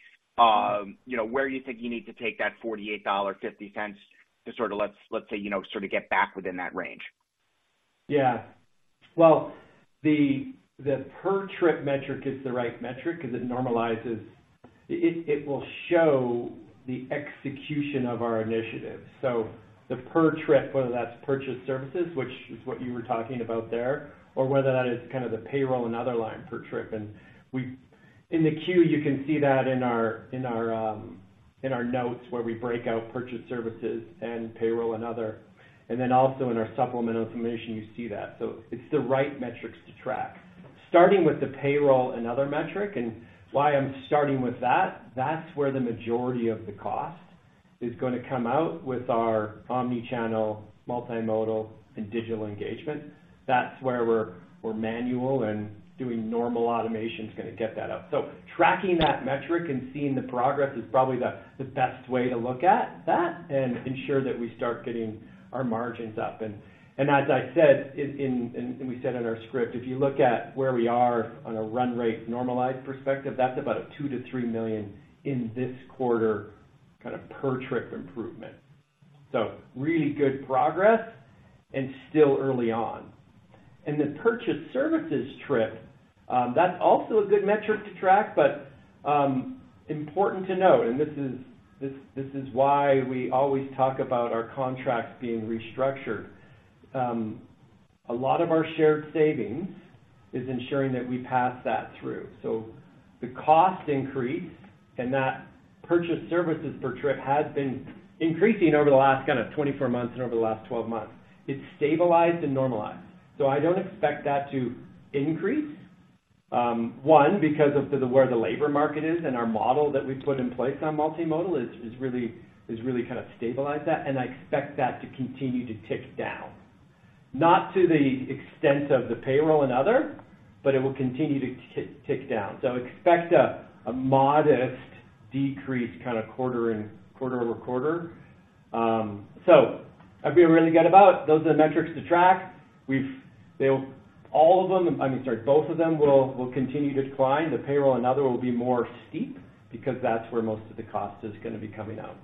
you know, where do you think you need to take that $48.50 to sort of let's, let's say, you know, sort of get back within that range? Yeah. Well, the per trip metric is the right metric because it normalizes. It will show the execution of our initiative. So the per trip, whether that's purchase services, which is what you were talking about there, or whether that is kind of the payroll and other line per trip. And we in the queue, you can see that in our notes where we break out purchase services and payroll and other, and then also in our supplemental information, you see that. So it's the right metrics to track. Starting with the payroll and other metric, and why I'm starting with that, that's where the majority of the cost is gonna come out with our omni-channel, multimodal, and digital engagement. That's where we're manual and doing normal automation is gonna get that up. So tracking that metric and seeing the progress is probably the best way to look at that and ensure that we start getting our margins up. And as I said, and we said in our script, if you look at where we are on a run rate normalized perspective, that's about a $2 million-$3 million in this quarter, kind of per trip improvement. So really good progress and still early on. And the purchase services trip, that's also a good metric to track, but important to note, and this is why we always talk about our contracts being restructured. A lot of our shared savings is ensuring that we pass that through. So the cost increase and that purchase services per trip has been increasing over the last kind of 24 months and over the last 12 months. It's stabilized and normalized, so I don't expect that to increase. One, because of where the labor market is and our model that we put in place on multimodal is really kind of stabilized that, and I expect that to continue to tick down. Not to the extent of the payroll and other, but it will continue to tick down. So expect a modest decrease kind of quarter-over-quarter. So I'd be really good about those are the metrics to track. I mean, sorry, both of them will continue to decline. The payroll and other will be more steep because that's where most of the cost is gonna be coming out.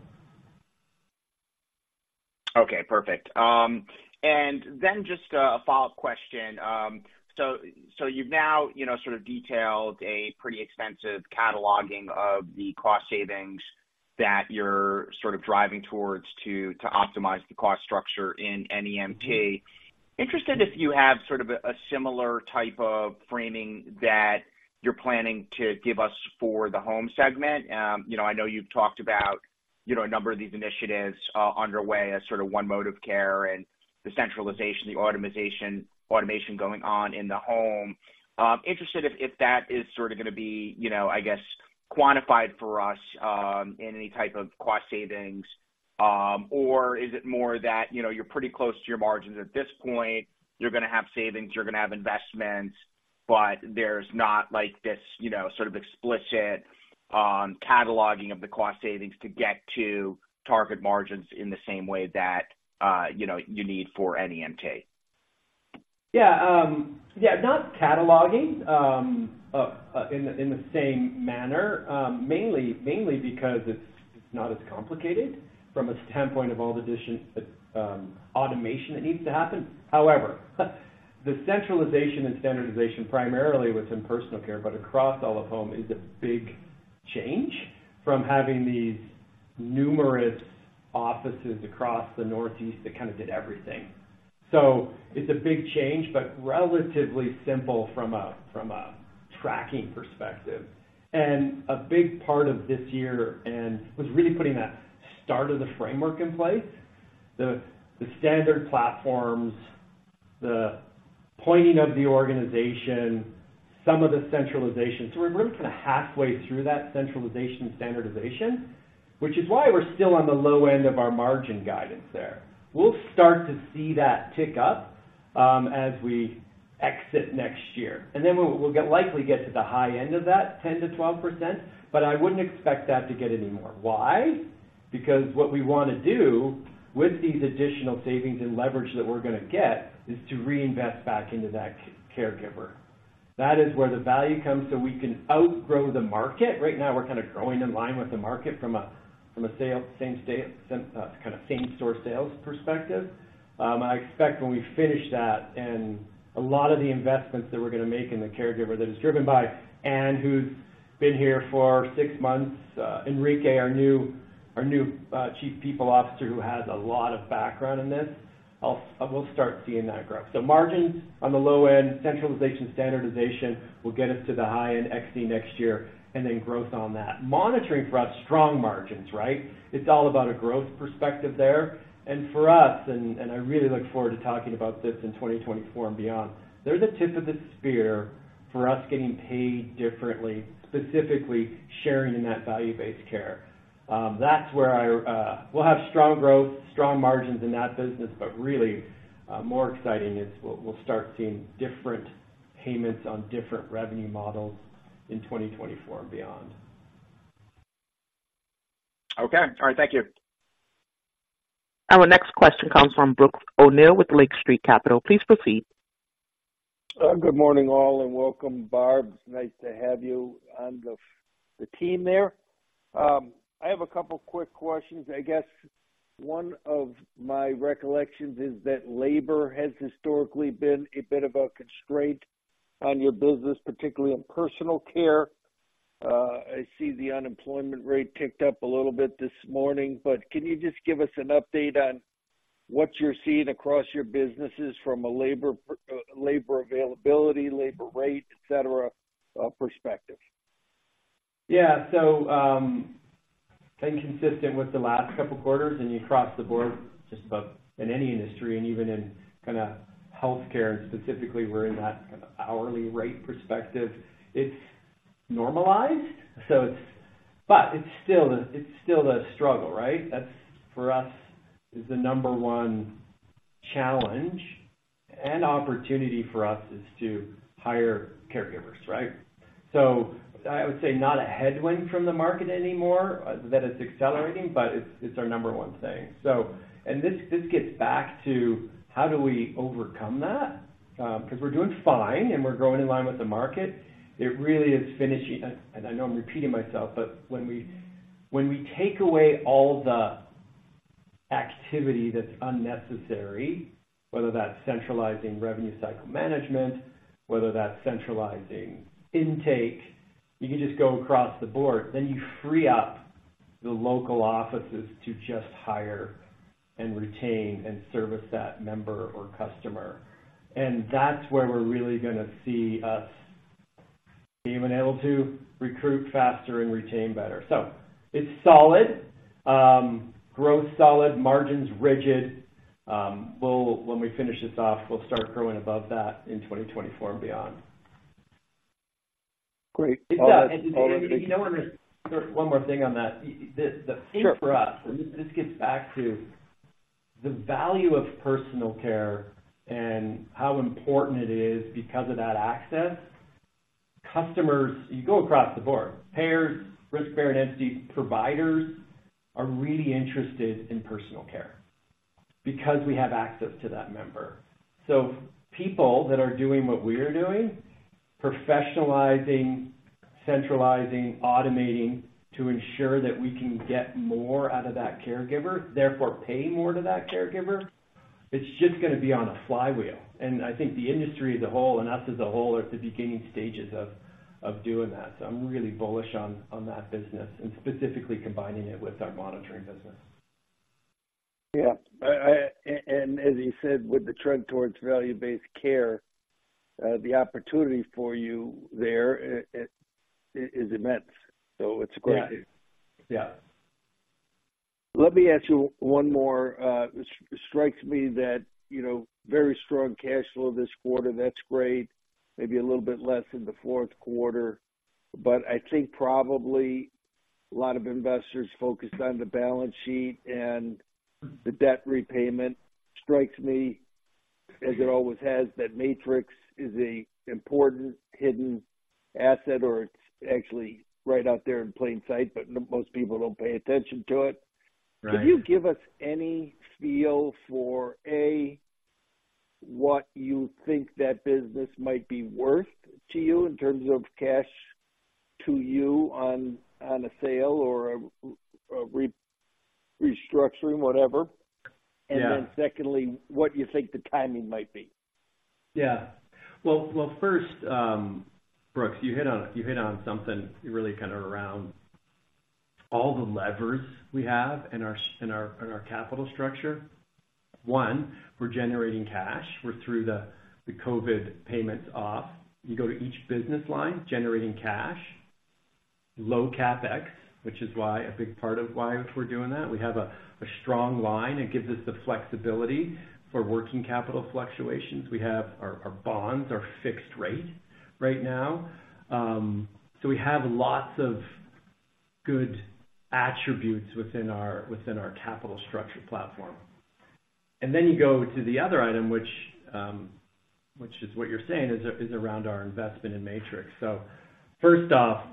Okay, perfect. And then just a follow-up question. So you've now, you know, sort of detailed a pretty extensive cataloging of the cost savings that you're sort of driving towards to optimize the cost structure in NEMT. Interested if you have sort of a similar type of framing that you're planning to give us for the home segment. You know, I know you've talked about, you know, a number of these initiatives underway as sort of one mode of care and the centralization, the automation going on in the home. Interested if that is sort of gonna be, you know, I guess, quantified for us in any type of cost savings, or is it more that, you know, you're pretty close to your margins at this point. You're gonna have savings, you're gonna have investments, but there's not like this, you know, sort of explicit, cataloging of the cost savings to get to target margins in the same way that, you know, you need for NEMT? Yeah, yeah, not cataloging in the same manner, mainly, mainly because it's not as complicated from a standpoint of all the addition, automation that needs to happen. However, the centralization and standardization, primarily within personal care, but across all of home, is a big change from having these numerous offices across the Northeast that kind of did everything. So it's a big change, but relatively simple from a tracking perspective. And a big part of this year was really putting that start of the framework in place, the standard platforms, the pointing of the organization, some of the centralization. So we're really kind of halfway through that centralization, standardization, which is why we're still on the low end of our margin guidance there. We'll start to see that tick up as we exit next year, and then we'll likely get to the high end of that 10%-12%, but I wouldn't expect that to get any more. Why? Because what we wanna do with these additional savings and leverage that we're gonna get is to reinvest back into that caregiver. That is where the value comes so we can outgrow the market. Right now, we're kind of growing in line with the market from a same store sales perspective. I expect when we finish that and a lot of the investments that we're gonna make in the caregiver that is driven by Anne, who's been here for six months, Enrique, our new Chief People Officer, who has a lot of background in this, we'll start seeing that growth. So margins on the low end, centralization, standardization, will get us to the high end exiting next year, and then growth on that. Monitoring for us, strong margins, right? It's all about a growth perspective there. And for us, I really look forward to talking about this in 2024 and beyond. They're the tip of the spear for us getting paid differently, specifically sharing in that value-based care. That's where we'll have strong growth, strong margins in that business, but really, more exciting is we'll start seeing different payments on different revenue models in 2024 and beyond. Okay. All right, thank you. Our next question comes from Brooks O'Neil with Lake Street Capital. Please proceed. Good morning, all, and welcome. Barb, nice to have you on the team there. I have a couple quick questions. I guess one of my recollections is that labor has historically been a bit of a constraint on your business, particularly on personal care. I see the unemployment rate ticked up a little bit this morning, but can you just give us an update on what you're seeing across your businesses from a labor availability, labor rate, et cetera, perspective? Yeah. So, inconsistent with the last couple quarters, and you cross the board just about in any industry and even in kind of healthcare and specifically, we're in that kind of hourly rate perspective, it's normalized. So it's, but it's still, it's still a struggle, right? That's, for us, is the number one challenge and opportunity for us is to hire caregivers, right? So I would say not a headwind from the market anymore, that it's accelerating, but it's, it's our number one thing. And this, this gets back to how do we overcome that? Because we're doing fine, and we're growing in line with the market. It really is finishing, and I know I'm repeating myself, but when we take away all the activity that's unnecessary, whether that's centralizing revenue cycle management, whether that's centralizing intake, you can just go across the board, then you free up the local offices to just hire and retain and service that member or customer. And that's where we're really gonna see us being able to recruit faster and retain better. So it's solid growth, solid margins rigid. When we finish this off, we'll start growing above that in 2024 and beyond. Great. And, you know, one more thing on that. The thing for us, and this gets back to the value of personal care and how important it is because of that access. Customers, you go across the board, payers, risk-bearing entity, providers, are really interested in personal care because we have access to that member. So people that are doing what we're doing, professionalizing, centralizing, automating to ensure that we can get more out of that caregiver, therefore, paying more to that caregiver, it's just going to be on a flywheel. And I think the industry as a whole and us as a whole, are at the beginning stages of doing that. So I'm really bullish on that business and specifically combining it with our monitoring business. Yeah. As you said, with the trend towards value-based care, the opportunity for you there, it is immense. So it's great. Yeah. Yeah. Let me ask you one more. It strikes me that, you know, very strong cash flow this quarter, that's great. Maybe a little bit less in the fourth quarter, but I think probably a lot of investors focused on the balance sheet and the debt repayment. Strikes me, as it always has, that Matrix is an important hidden asset, or it's actually right out there in plain sight, but most people don't pay attention to it. Right. Could you give us any feel for, A, what you think that business might be worth to you in terms of cash to you on a sale or a restructuring, whatever? Yeah. And then secondly, what you think the timing might be? Yeah. Well, first, Brooks, you hit on, you hit on something really kind of around all the levers we have in our capital structure. One, we're generating cash. We're through the COVID payments off. You go to each business line, generating cash, low CapEx, which is why a big part of why we're doing that. We have a strong line. It gives us the flexibility for working capital fluctuations. We have our bonds, our fixed rate right now. So we have lots of good attributes within our capital structure platform. And then you go to the other item, which is what you're saying, is around our investment in Matrix. So first off,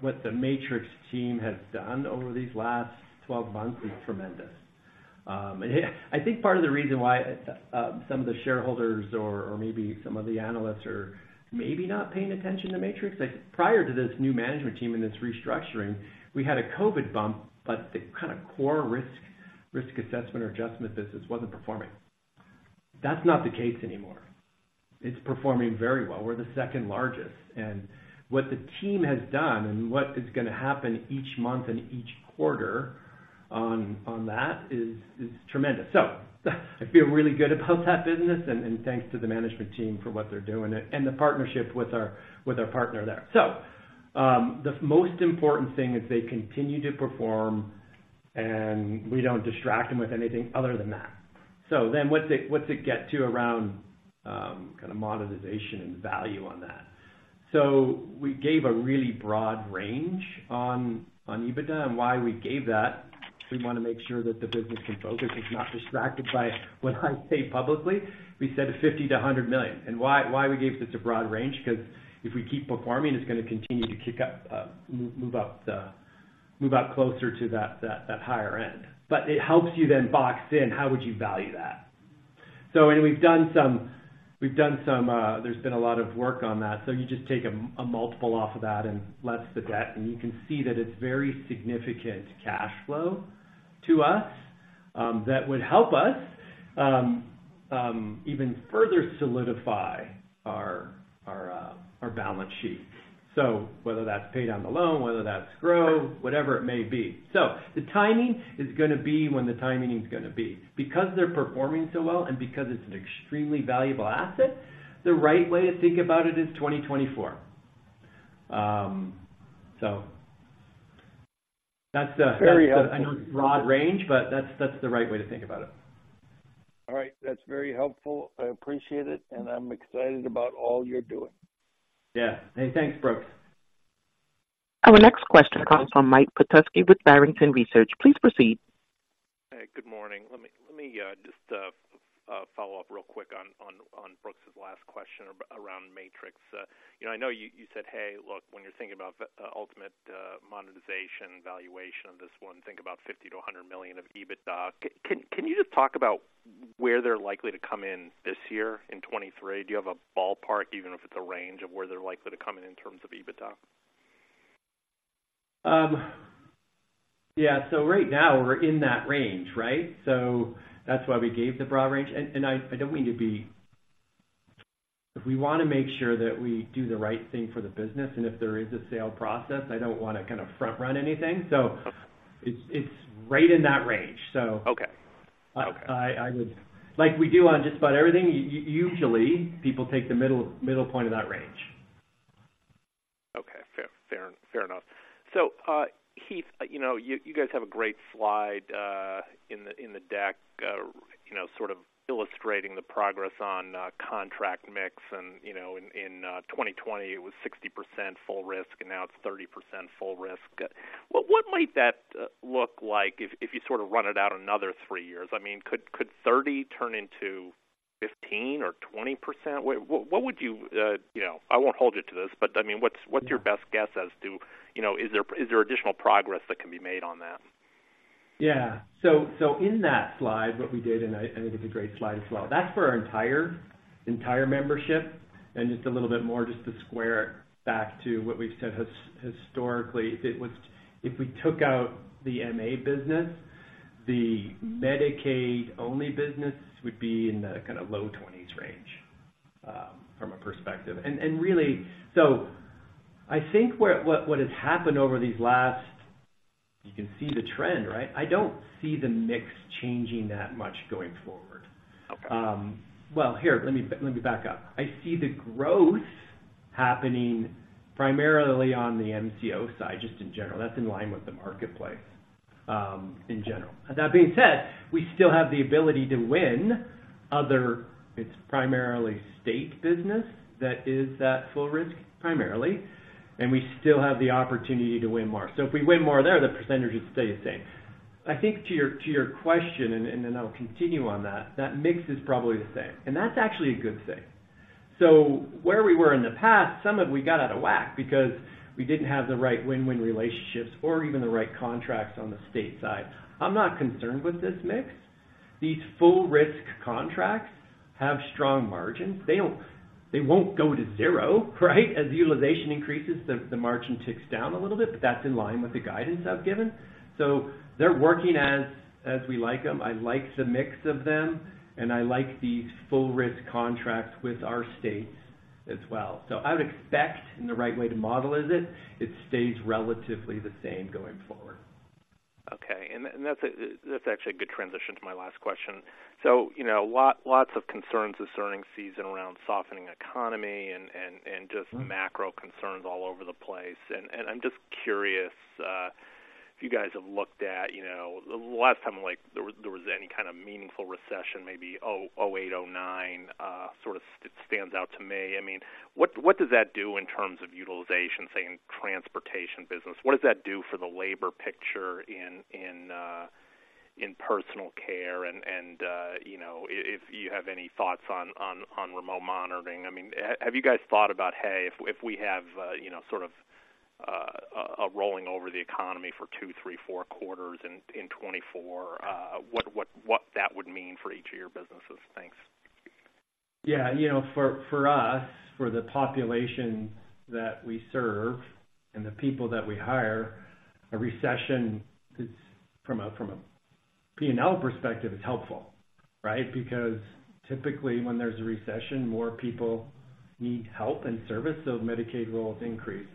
what the Matrix team has done over these last 12 months is tremendous. I think part of the reason why some of the shareholders or maybe some of the analysts are maybe not paying attention to Matrix. I think prior to this new management team and this restructuring, we had a COVID bump, but the kind of core risk assessment or adjustment business wasn't performing. That's not the case anymore. It's performing very well. We're the second largest, and what the team has done and what is going to happen each month and each quarter on that is tremendous. So I feel really good about that business and thanks to the management team for what they're doing and the partnership with our partner there. So, the most important thing is they continue to perform, and we don't distract them with anything other than that. So then what's it get to around, kind of monetization and value on that? So we gave a really broad range on EBITDA, and why we gave that, we want to make sure that the business can focus. It's not distracted by what I say publicly. We said $50 million-$100 million. And why we gave this a broad range? Because if we keep performing, it's going to continue to kick up, move up closer to that higher end. But it helps you then box in how would you value that. So we've done some. There's been a lot of work on that. So you just take a multiple off of that and less the debt, and you can see that it's very significant cash flow to us, that would help us even further solidify our balance sheet. So whether that's pay down the loan, whether that's grow, whatever it may be. So the timing is going to be when the timing is going to be. Because they're performing so well and because it's an extremely valuable asset, the right way to think about it is 2024. So that's a- Very- I know, broad range, but that's, that's the right way to think about it. All right. That's very helpful. I appreciate it, and I'm excited about all you're doing. Yeah. Hey, thanks, Brooks. Our next question comes from Mike Petusky with Barrington Research. Please proceed. Hey, good morning. Let me just follow up real quick on Brooks' last question around Matrix. You know, I know you said, "Hey, look, when you're thinking about ultimate monetization, valuation of this one, think about $50 million-$100 million of EBITDA." Can you just talk about where they're likely to come in this year, in 2023? Do you have a ballpark, even if it's a range, of where they're likely to come in, in terms of EBITDA? Yeah. So right now we're in that range, right? So that's why we gave the broad range. And I don't mean to be, if we want to make sure that we do the right thing for the business, and if there is a sale process, I don't want to kind of front run anything. So it's right in that range. Okay. Okay. I would—like we do on just about everything, usually, people take the middle point of that range. Okay, fair, fair, fair enough. So, Heath, you know, you guys have a great slide in the deck, you know, sort of illustrating the progress on contract mix and, you know, in 2020, it was 60% full risk, and now it's 30% full risk. What might that look like if you sort of run it out another three years? I mean, could 30% turn into 15% or 20%? What would you, you know, I won't hold you to this, but, I mean, what's your best guess as to, you know, is there additional progress that can be made on that? Yeah. So in that slide, what we did, and I think it's a great slide as well. That's for our entire membership, and just a little bit more just to square it back to what we've said historically, it was if we took out the MA business, the Medicaid-only business would be in the kinda low-20s range from a perspective. And really, so I think what has happened over these last, you can see the trend, right? I don't see the mix changing that much going forward. Okay. Well, here, let me back up. I see the growth happening primarily on the MCO side, just in general. That's in line with the marketplace, in general. That being said, we still have the ability to win other, it's primarily state business that is that full risk, primarily, and we still have the opportunity to win more. So if we win more there, the percentage would stay the same. I think to your question, and then I'll continue on that, that mix is probably the same, and that's actually a good thing. So where we were in the past, some of we got out of whack because we didn't have the right win-win relationships or even the right contracts on the state side. I'm not concerned with this mix. These full risk contracts have strong margins. They won't go to zero, right? As utilization increases, the margin ticks down a little bit, but that's in line with the guidance I've given. So they're working as we like them. I like the mix of them, and I like the full risk contracts with our states as well. So I would expect, and the right way to model it, it stays relatively the same going forward. Okay. And that's actually a good transition to my last question. So, you know, lots of concerns this earnings season around softening economy and just macro concerns all over the place. And I'm just curious if you guys have looked at, you know, the last time, like, there was any kind of meaningful recession, maybe 2008, 2009, sort of stands out to me. I mean, what does that do in terms of utilization, say, in transportation business? What does that do for the labor picture in personal care? And you know, if you have any thoughts on remote monitoring. I mean, have you guys thought about, hey, if we have, you know, sort of, a rolling over the economy for two, three, four quarters in 2024, what that would mean for each of your businesses? Thanks. Yeah, you know, for, for us, for the population that we serve and the people that we hire, a recession is from a, from a P&L perspective, is helpful, right? Because typically when there's a recession, more people need help and service, so Medicaid will increase.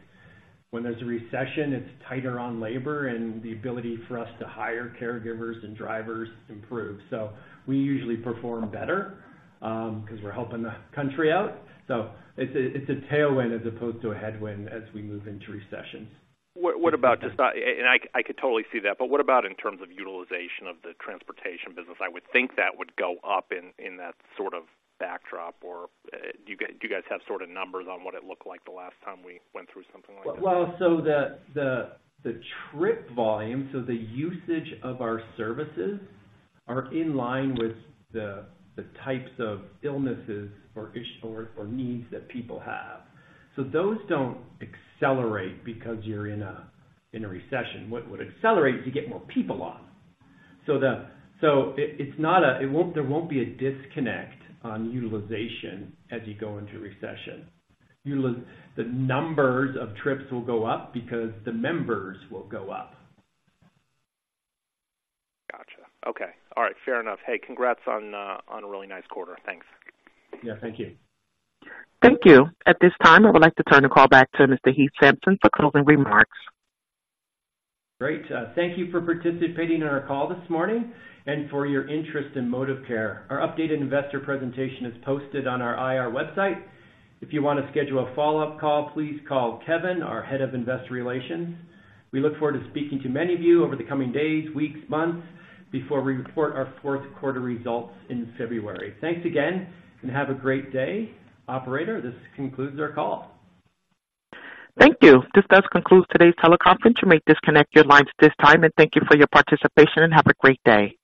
When there's a recession, it's tighter on labor and the ability for us to hire caregivers and drivers improve. So we usually perform better, because we're helping the country out. So it's a, it's a tailwind as opposed to a headwind as we move into recession. What about just, and I could totally see that, but what about in terms of utilization of the transportation business? I would think that would go up in that sort of backdrop. Or, do you guys have sort of numbers on what it looked like the last time we went through something like that? Well, so the trip volume, so the usage of our services, are in line with the types of illnesses or issues or needs that people have. So those don't accelerate because you're in a recession. What would accelerate is you get more people on. So it's not a, it won't, there won't be a disconnect on utilization as you go into recession. The numbers of trips will go up because the members will go up. Gotcha. Okay. All right, fair enough. Hey, congrats on a, on a really nice quarter. Thanks. Yeah, thank you. Thank you. At this time, I would like to turn the call back to Mr. Heath Sampson for closing remarks. Great. Thank you for participating in our call this morning and for your interest in Modivcare. Our updated investor presentation is posted on our IR website. If you want to schedule a follow-up call, please call Kevin, our Head of Investor Relations. We look forward to speaking to many of you over the coming days, weeks, months, before we report our fourth quarter results in February. Thanks again, and have a great day. Operator, this concludes our call. Thank you. This does conclude today's teleconference. You may disconnect your lines at this time, and thank you for your participation, and have a great day.